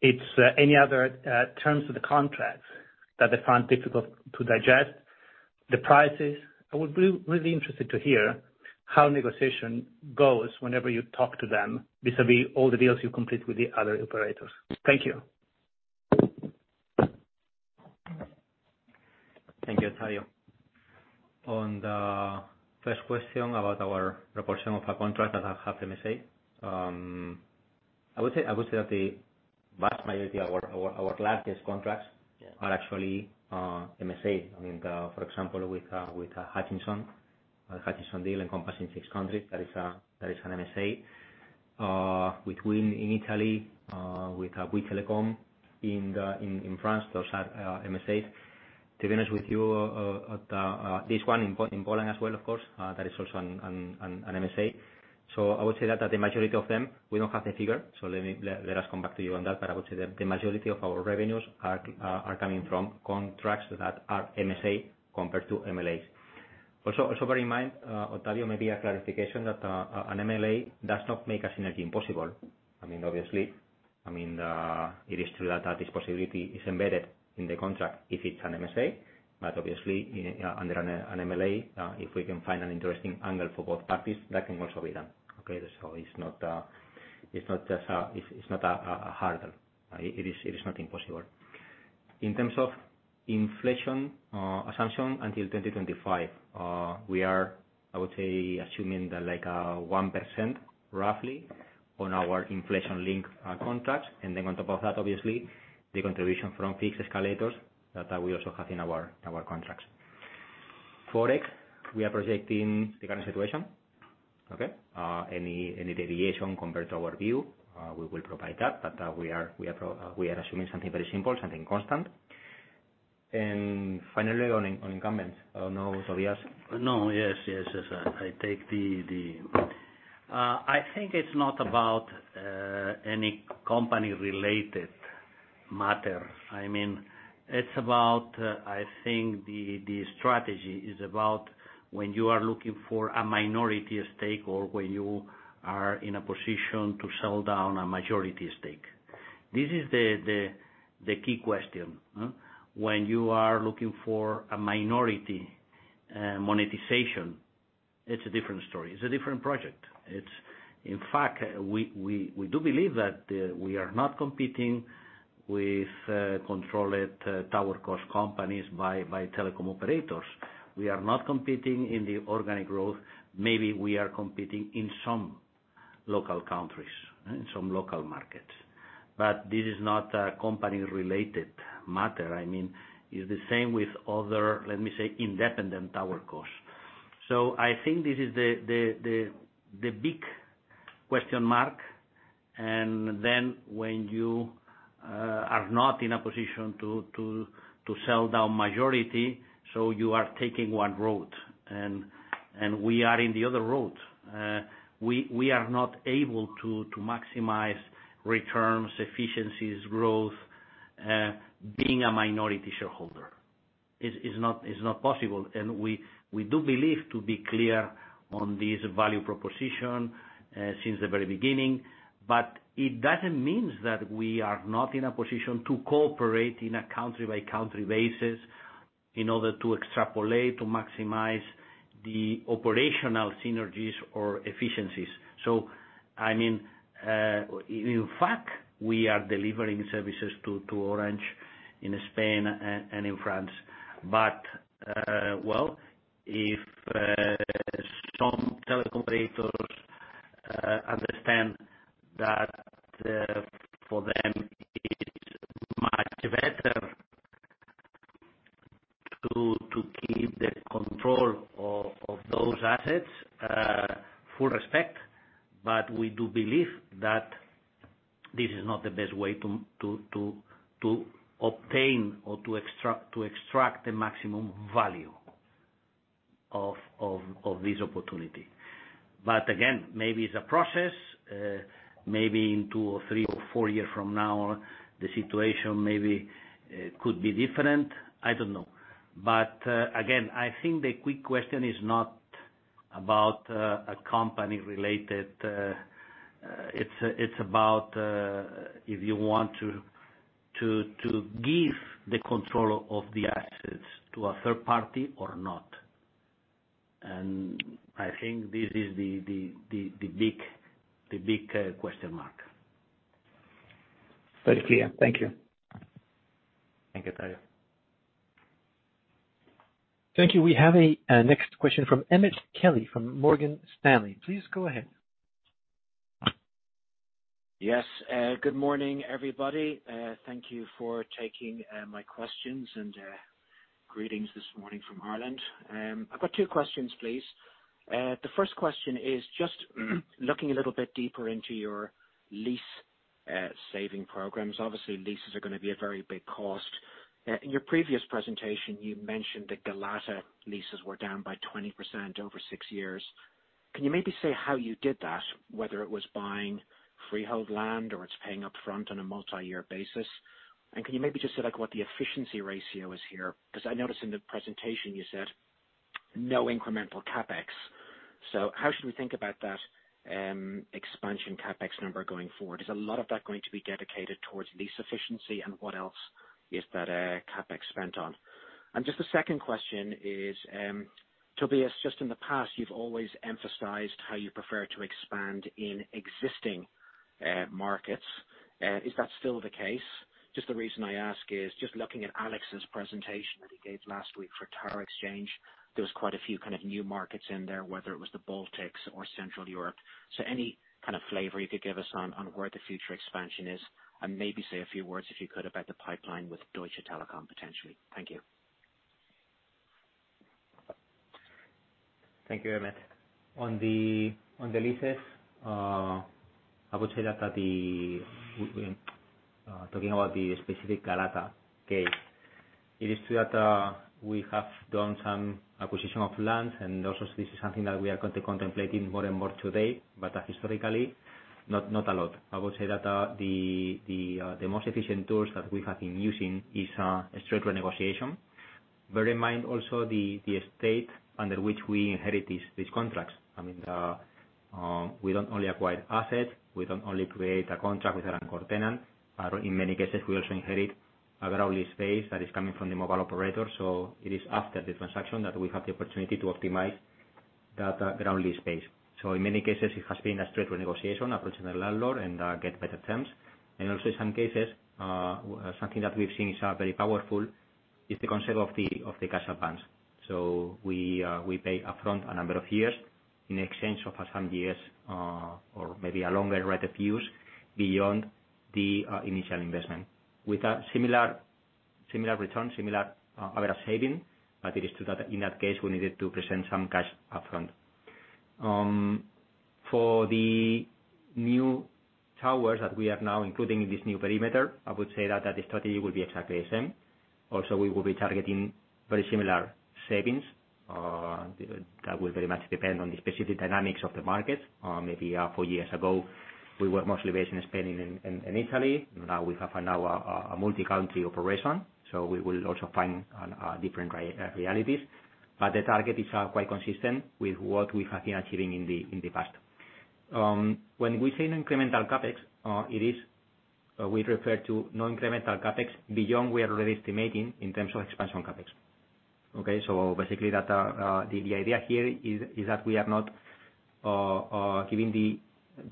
It's any other terms of the contracts that they find difficult to digest, the prices. I would be really interested to hear how negotiation goes whenever you talk to them vis-à-vis all the deals you complete with the other operators. Thank you. Thank you, Ottavio. On the first question about our proportion of our contract that have MSA, I would say that the vast majority of our largest contracts are actually MSA. I mean, for example, with Hutchison, the Hutchison deal encompassing six countries, that is an MSA. With Wind Tre in Italy, with Bouygues Telecom in France, those are MSAs. To be honest with you, this one in Poland as well, of course, that is also an MSA. So I would say that the majority of them, we don't have the figure, so let us come back to you on that. But I would say that the majority of our revenues are coming from contracts that are MSA compared to MLAs. Also bear in mind, Ottavio, maybe a clarification that an MLA does not make a synergy impossible. I mean, obviously, I mean, it is true that this possibility is embedded in the contract if it's an MSA. But obviously, under an MLA, if we can find an interesting angle for both parties, that can also be done. Okay? So it's not a hurdle. It is not impossible. In terms of inflation assumption until 2025, we are, I would say, assuming that like 1% roughly on our inflation-linked contracts. And then on top of that, obviously, the contribution from fixed escalators that we also have in our contracts. Forex, we are projecting the current situation. Okay? Any deviation compared to our view, we will provide that. But we are assuming something very simple, something constant, and finally, on incumbents, I don't know, Tobías? No, yes, yes, yes. I take the I think it's not about any company-related matter. I mean, it's about, I think, the strategy is about when you are looking for a minority stake or when you are in a position to sell down a majority stake. This is the key question. When you are looking for a minority monetization, it's a different story. It's a different project. In fact, we do believe that we are not competing with controlled towerco companies by telecom operators. We are not competing in the organic growth. Maybe we are competing in some local countries, in some local markets. But this is not a company-related matter. I mean, it's the same with other, let me say, independent towercos. So I think this is the big question mark. And then, when you are not in a position to sell down majority, so you are taking one route, and we are in the other route, we are not able to maximize returns, efficiencies, growth, being a minority shareholder. It's not possible. And we do believe, to be clear, on this value proposition since the very beginning. But it doesn't mean that we are not in a position to cooperate in a country-by-country basis in order to extrapolate to maximize the operational synergies or efficiencies. So I mean, in fact, we are delivering services to Orange in Spain and in France. But well, if some telecom operators understand that for them it's much better to keep the control of those assets, full respect, but we do believe that this is not the best way to obtain or to extract the maximum value of this opportunity. But again, maybe it's a process. Maybe in two or three or four years from now, the situation maybe could be different. I don't know. But again, I think the quick question is not about a company-related. It's about if you want to give the control of the assets to a third party or not. And I think this is the big question mark. Very clear. Thank you. Thank you, Ottavio. Thank you. We have a next question from Emmet Kelly from Morgan Stanley. Please go ahead. Yes. Good morning, everybody. Thank you for taking my questions and greetings this morning from Ireland. I've got two questions, please. The first question is just looking a little bit deeper into your lease saving programs. Obviously, leases are going to be a very big cost. In your previous presentation, you mentioned that Galata leases were down by 20% over six years. Can you maybe say how you did that, whether it was buying freehold land or it's paying upfront on a multi-year basis? And can you maybe just say what the efficiency ratio is here? Because I noticed in the presentation you said no incremental CapEx. So how should we think about that expansion CapEx number going forward? Is a lot of that going to be dedicated towards lease efficiency, and what else is that CapEx spent on? Just the second question is, Tobías, just in the past, you've always emphasized how you prefer to expand in existing markets. Is that still the case? Just the reason I ask is just looking at Alex's presentation that he gave last week for TowerXchange, there were quite a few kind of new markets in there, whether it was the Baltics or Central Europe. So any kind of flavor you could give us on where the future expansion is? And maybe say a few words, if you could, about the pipeline with Deutsche Telekom potentially. Thank you. Thank you, Emmet. On the leases, I would say that talking about the specific Galata case, it is true that we have done some acquisition of lands, and also this is something that we are contemplating more and more today. But historically, not a lot. I would say that the most efficient tools that we have been using is straight renegotiation. Bear in mind also the state under which we inherit these contracts. I mean, we don't only acquire assets. We don't only create a contract with an anchor tenant. In many cases, we also inherit a ground lease space that is coming from the mobile operator. So it is after the transaction that we have the opportunity to optimize that ground lease space. So in many cases, it has been a straight renegotiation, approaching the landlord and get better terms. And also in some cases, something that we've seen is very powerful is the concept of the cash advance. So we pay upfront a number of years in exchange for some years or maybe a longer rate of use beyond the initial investment, with a similar return, similar average saving. But it is true that in that case, we needed to present some cash upfront. For the new towers that we are now including in this new perimeter, I would say that the strategy will be exactly the same. Also, we will be targeting very similar savings. That will very much depend on the specific dynamics of the markets. Maybe four years ago, we were mostly based in Spain and Italy. Now we have a multi-country operation. So we will also find different realities. But the target is quite consistent with what we have been achieving in the past. When we say no incremental CapEx, we refer to no incremental CapEx beyond we are already estimating in terms of expansion CapEx. Okay? So basically, the idea here is that we are not giving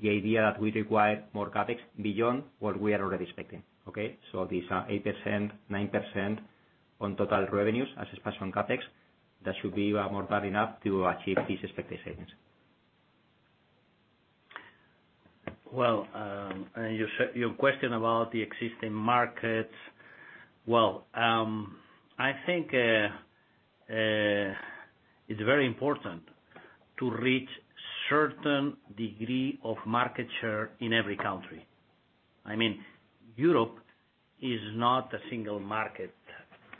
the idea that we require more CapEx beyond what we are already expecting. Okay? So these 8%, 9% on total revenues as expansion CapEx, that should be more than enough to achieve these expected savings. Your question about the existing markets, well, I think it's very important to reach a certain degree of market share in every country. I mean, Europe is not a single market.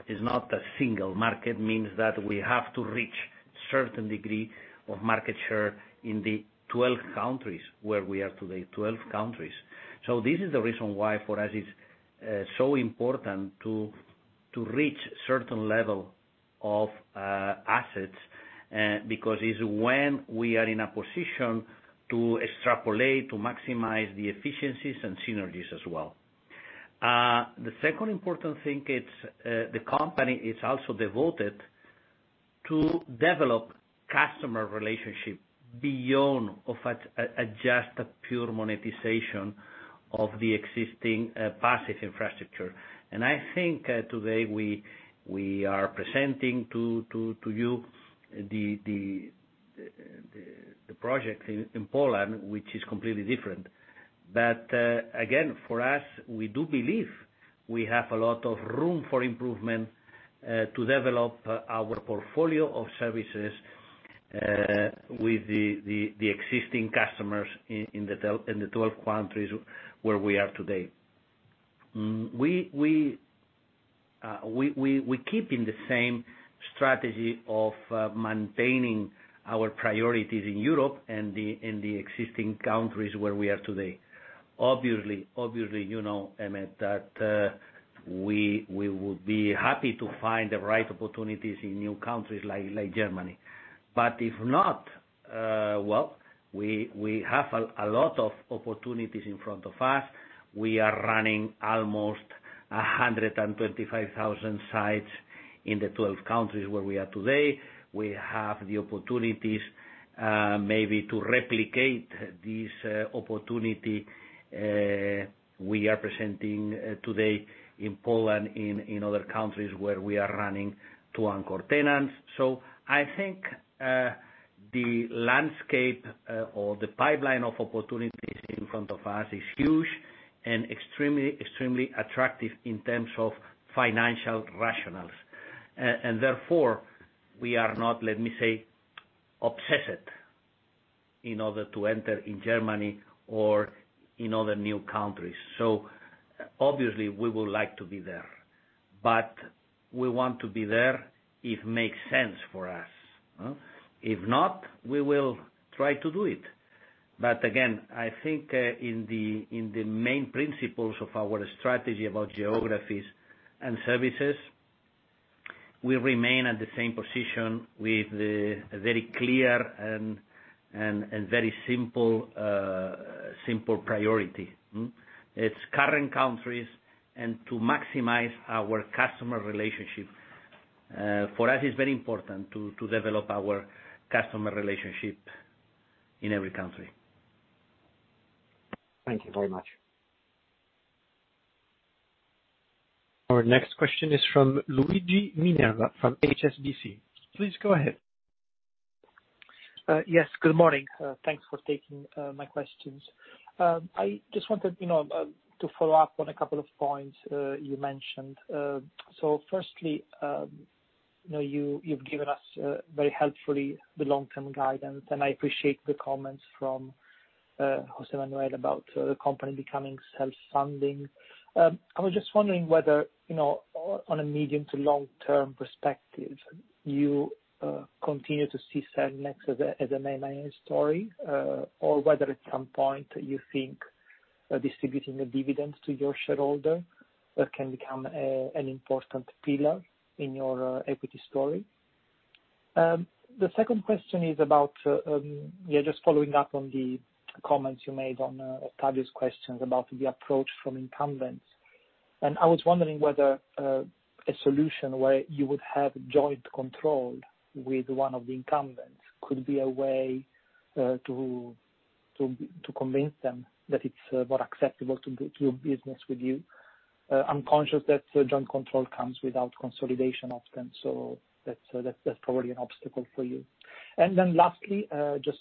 It's not a single market means that we have to reach a certain degree of market share in the 12 countries where we are today, 12 countries. So this is the reason why for us it's so important to reach a certain level of assets because it's when we are in a position to extrapolate to maximize the efficiencies and synergies as well. The second important thing is the company is also devoted to developing customer relationships beyond just a pure monetization of the existing passive infrastructure. And I think today we are presenting to you the project in Poland, which is completely different. But again, for us, we do believe we have a lot of room for improvement to develop our portfolio of services with the existing customers in the 12 countries where we are today. We keep in the same strategy of maintaining our priorities in Europe and the existing countries where we are today. Obviously, you know, Emmet, that we would be happy to find the right opportunities in new countries like Germany. But if not, well, we have a lot of opportunities in front of us. We are running almost 125,000 sites in the 12 countries where we are today. We have the opportunities maybe to replicate this opportunity we are presenting today in Poland in other countries where we are running two anchor tenants. So I think the landscape or the pipeline of opportunities in front of us is huge and extremely attractive in terms of financial rationales. And therefore, we are not, let me say, obsessed in order to enter in Germany or in other new countries. So obviously, we would like to be there. But we want to be there if it makes sense for us. If not, we will try to do it. But again, I think in the main principles of our strategy about geographies and services, we remain at the same position with a very clear and very simple priority. It's current countries and to maximize our customer relationship. For us, it's very important to develop our customer relationship in every country. Thank you very much. Our next question is from Luigi Minerva from HSBC. Please go ahead. Yes. Good morning. Thanks for taking my questions. I just wanted to follow up on a couple of points you mentioned. So firstly, you've given us very helpfully the long-term guidance, and I appreciate the comments from José Manuel about the company becoming self-funding. I was just wondering whether, on a medium to long-term perspective, you continue to see Cellnex as a mainline story, or whether at some point you think distributing the dividends to your shareholder can become an important pillar in your equity story. The second question is about, yeah, just following up on the comments you made on Ottavio's questions about the approach from incumbents. And I was wondering whether a solution where you would have joint control with one of the incumbents could be a way to convince them that it's more acceptable to do business with you. I'm conscious that joint control comes without consolidation often, so that's probably an obstacle for you, and then lastly, just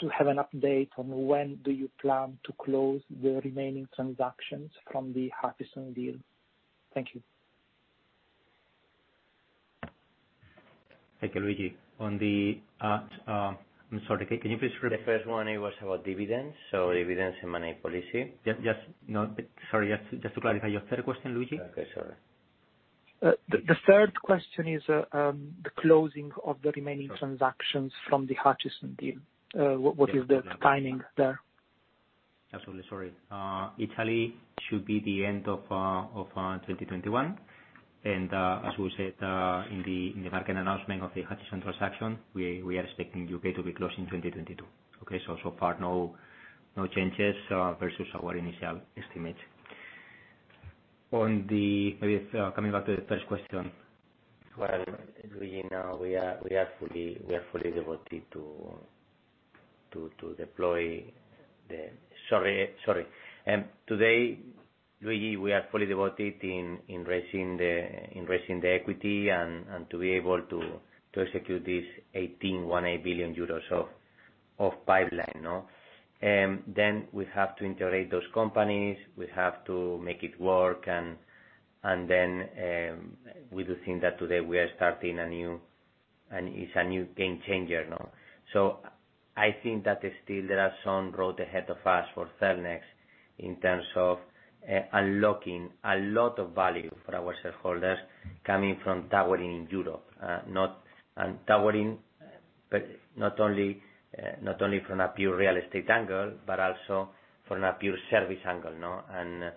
to have an update on when do you plan to close the remaining transactions from the Hutchison deal? Thank you. Thank you, Luigi. I'm sorry, can you please repeat? The first one was about dividends, so dividends and money policy. Sorry, just to clarify your third question, Luigi. Okay, sorry. The third question is the closing of the remaining transactions from the Hutchison deal. What is the timing there? Absolutely. Sorry. Italy should be the end of 2021. And as we said in the market announcement of the Hutchison transaction, we are expecting U.K. to be closing 2022. Okay? So so far, no changes versus our initial estimates. Maybe coming back to the first question. Today, Luigi, we are fully devoted in raising the equity and to be able to execute this 18 billion euros of pipeline. Then we have to integrate those companies. We have to make it work. And then we do think that today we are starting a new, it's a new game changer. So I think that still there are some road ahead of us for Cellnex in terms of unlocking a lot of value for our shareholders coming from tower in Europe, not only from a pure real estate angle, but also from a pure service angle and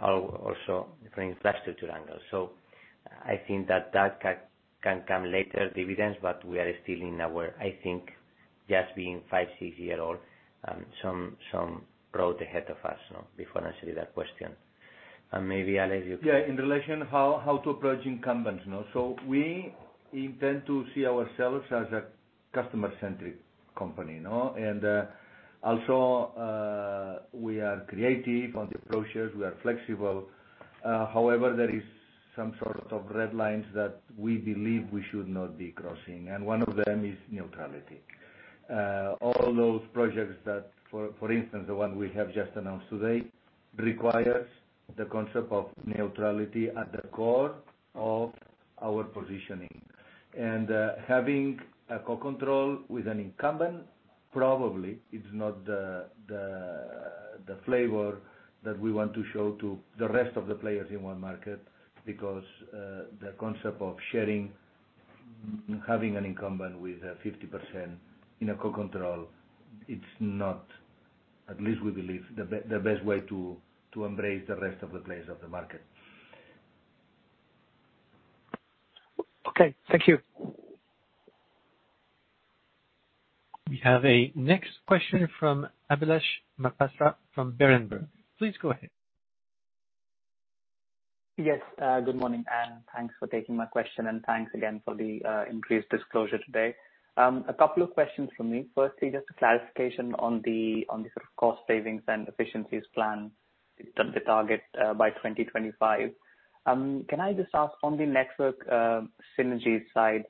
also from infrastructure angle. So I think that that can come later, dividends, but we are still in our, I think, just being five, six years old, some road ahead of us before answering that question. And maybe I'll let you. Yeah. In relation to how to approach incumbents. So we intend to see ourselves as a customer-centric company. And also, we are creative on the approaches. We are flexible. However, there are some sort of red lines that we believe we should not be crossing. And one of them is neutrality. All those projects that, for instance, the one we have just announced today, requires the concept of neutrality at the core of our positioning. And having a co-control with an incumbent, probably it's not the flavor that we want to show to the rest of the players in one market because the concept of having an incumbent with 50% in a co-control, it's not, at least we believe, the best way to embrace the rest of the players of the market. Okay. Thank you. We have a next question from Abhilash Mohapatra from Berenberg. Please go ahead. Yes. Good morning, and thanks for taking my question. And thanks again for the increased disclosure today. A couple of questions for me. Firstly, just a clarification on the sort of cost savings and efficiencies plan that we target by 2025. Can I just ask on the network synergy side,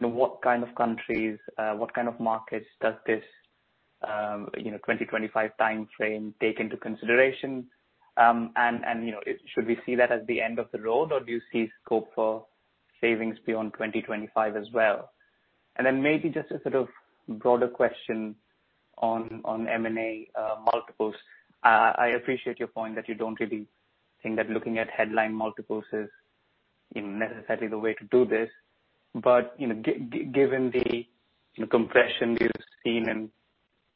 what kind of countries, what kind of markets does this 2025 timeframe take into consideration? And should we see that as the end of the road, or do you see scope for savings beyond 2025 as well? And then maybe just a sort of broader question on M&A multiples. I appreciate your point that you don't really think that looking at headline multiples is necessarily the way to do this. But given the compression we've seen in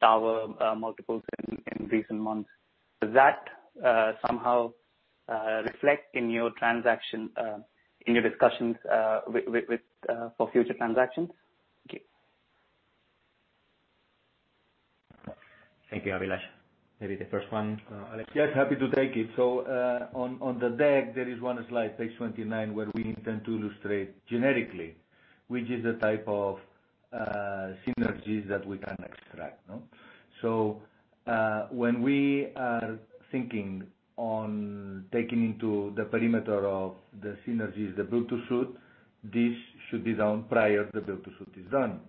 tower multiples in recent months, does that somehow reflect in your discussions for future transactions? Thank you. Thank you, Abhilash. Maybe the first one, Alex. Yes. Happy to take it. So on the deck, there is one slide, page 29, where we intend to illustrate generically, which is the type of synergies that we can extract. So when we are thinking on taking into the parameter of the synergies, the build-to-suit, this should be done prior to the build-to-suit is done.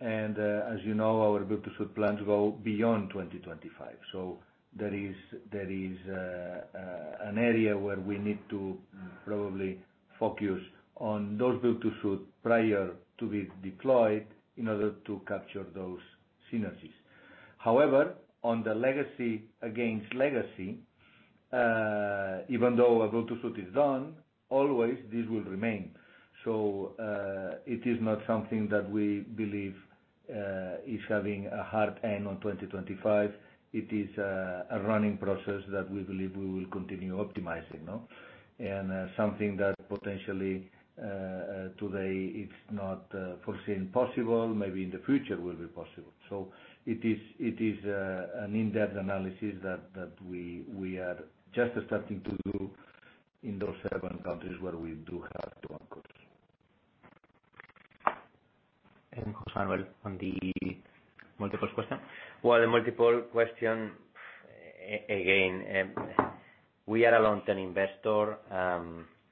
And as you know, our build-to-suit plans go beyond 2025. So there is an area where we need to probably focus on those build-to-suit prior to being deployed in order to capture those synergies. However, on the legacy against legacy, even though a build-to-suit is done, always this will remain. So it is not something that we believe is having a hard end on 2025. It is a running process that we believe we will continue optimizing. And something that potentially today is not foreseen possible, maybe in the future will be possible. It is an in-depth analysis that we are just starting to do in those seven countries where we do have to anchor. And José Manuel, on the multiple question? The multiple question, again, we are a long-term investor.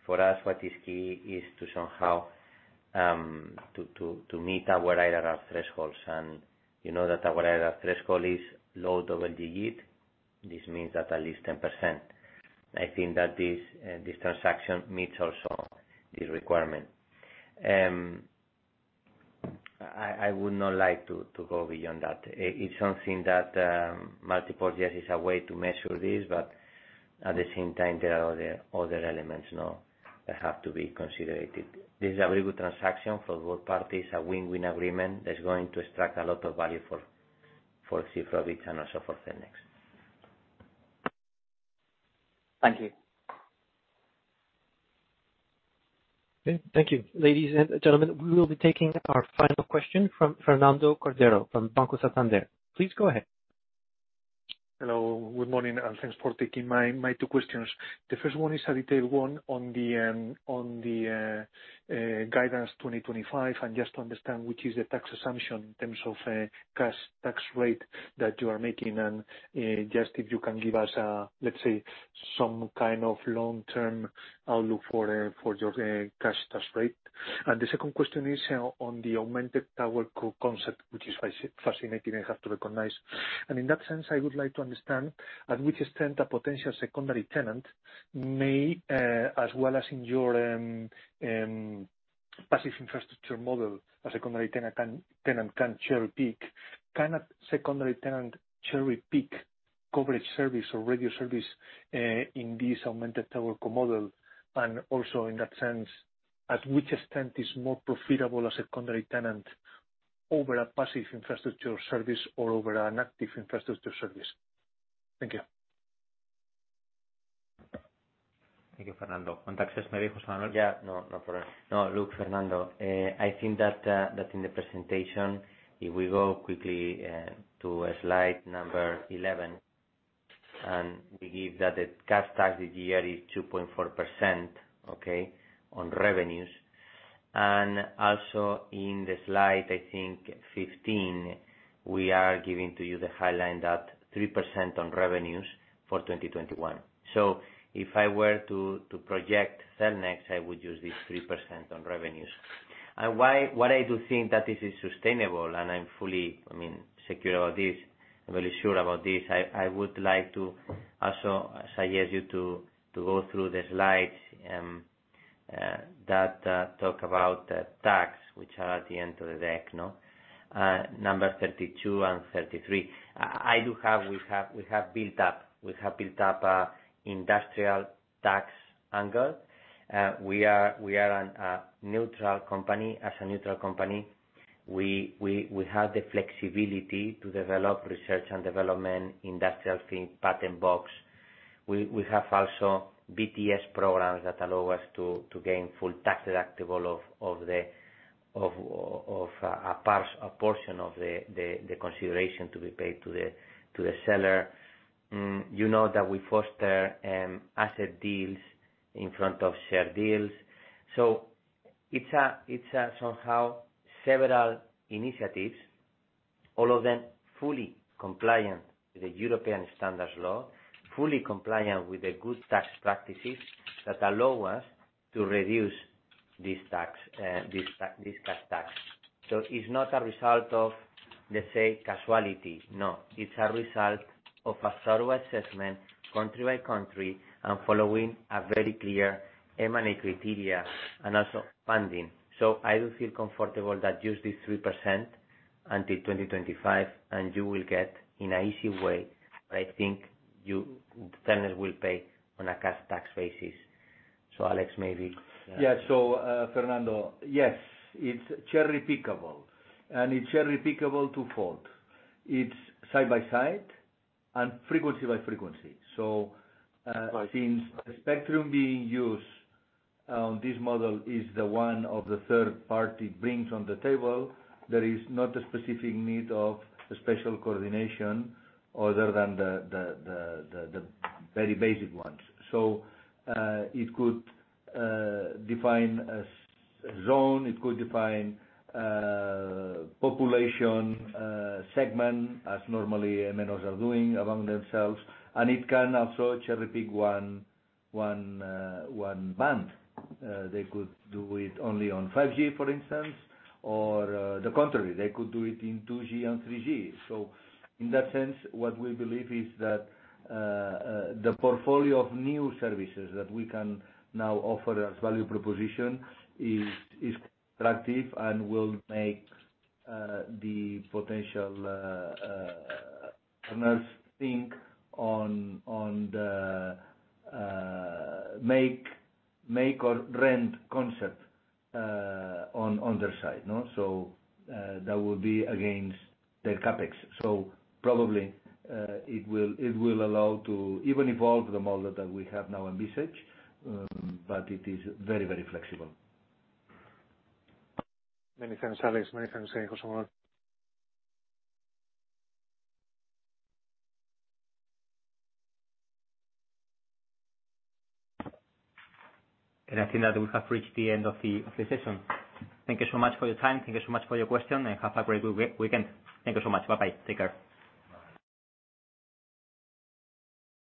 For us, what is key is to somehow meet our IRR thresholds. And you know that our IRR threshold is low double digit. This means that at least 10%. I think that this transaction meets also this requirement. I would not like to go beyond that. It's something that multiple years is a way to measure this, but at the same time, there are other elements that have to be considered. This is a very good transaction for both parties, a win-win agreement that's going to extract a lot of value for Cyfrowy and also for Cellnex. Thank you. Okay. Thank you. Ladies and gentlemen, we will be taking our final question from Fernando Cordero from Banco Santander. Please go ahead. Hello. Good morning, and thanks for taking my two questions. The first one is a detailed one on the guidance 2025 and just to understand which is the tax assumption in terms of cash tax rate that you are making. And just if you can give us, let's say, some kind of long-term outlook for your cash tax rate. And the second question is on the augmented tower concept, which is fascinating and has to recognize. And in that sense, I would like to understand at which extent a potential secondary tenant may, as well as in your passive infrastructure model, a secondary tenant can cherry-pick. Can a secondary tenant cherry-pick coverage service or radio service in this augmented tower model? And also in that sense, at which extent is more profitable a secondary tenant over a passive infrastructure service or over an active infrastructure service? Thank you. Thank you, Fernando. Contact us maybe, José Manuel. Yeah. No, no problem. No, look, Fernando, I think that in the presentation, if we go quickly to slide number 11, and we give that the cash tax this year is 2.4%, okay, on revenues. And also in the slide, I think 15, we are giving to you the highlight that 3% on revenues for 2021. So if I were to project Cellnex, I would use this 3% on revenues. And what I do think that this is sustainable, and I'm fully, I mean, secure about this, I'm really sure about this. I would like to also suggest you to go through the slides that talk about the tax, which are at the end of the deck, number 32 and 33. We have built up an industrial tax angle. We are a neutral company. As a neutral company, we have the flexibility to develop research and development, industrial think Patent Box. We have also BTS programs that allow us to gain full tax deductible of a portion of the consideration to be paid to the seller. You know that we foster asset deals in front of share deals. So it's somehow several initiatives, all of them fully compliant with the European standards law, fully compliant with the good tax practices that allow us to reduce this cash tax. So it's not a result of, let's say, casualty. No. It's a result of a thorough assessment country by country and following a very clear M&A criteria and also funding. So I do feel comfortable that use this 3% until 2025, and you will get in an easy way. But I think Cellnex will pay on a cash tax basis. So Alex, maybe. Yeah. So Fernando, yes, it's cherry-pickable. And it's cherry-pickable twofold. It's site by site and frequency by frequency. So since the spectrum being used on this model is the one of the third party brings on the table, there is not a specific need of special coordination other than the very basic ones. So it could define a zone. It could define population segment as normally MNOs are doing among themselves. And it can also cherry-pick one band. They could do it only on 5G, for instance, or the contrary. They could do it in 2G and 3G. So in that sense, what we believe is that the portfolio of new services that we can now offer as value proposition is attractive and will make the potential partners think on the make or rent concept on their side. So that will be against their CapEx. So probably it will allow to even evolve the model that we have now envisaged, but it is very, very flexible. Many thanks, Alex. Many thanks, José Manuel. And I think that we have reached the end of the session. Thank you so much for your time. Thank you so much for your question. And have a great weekend. Thank you so much. Bye-bye. Take care.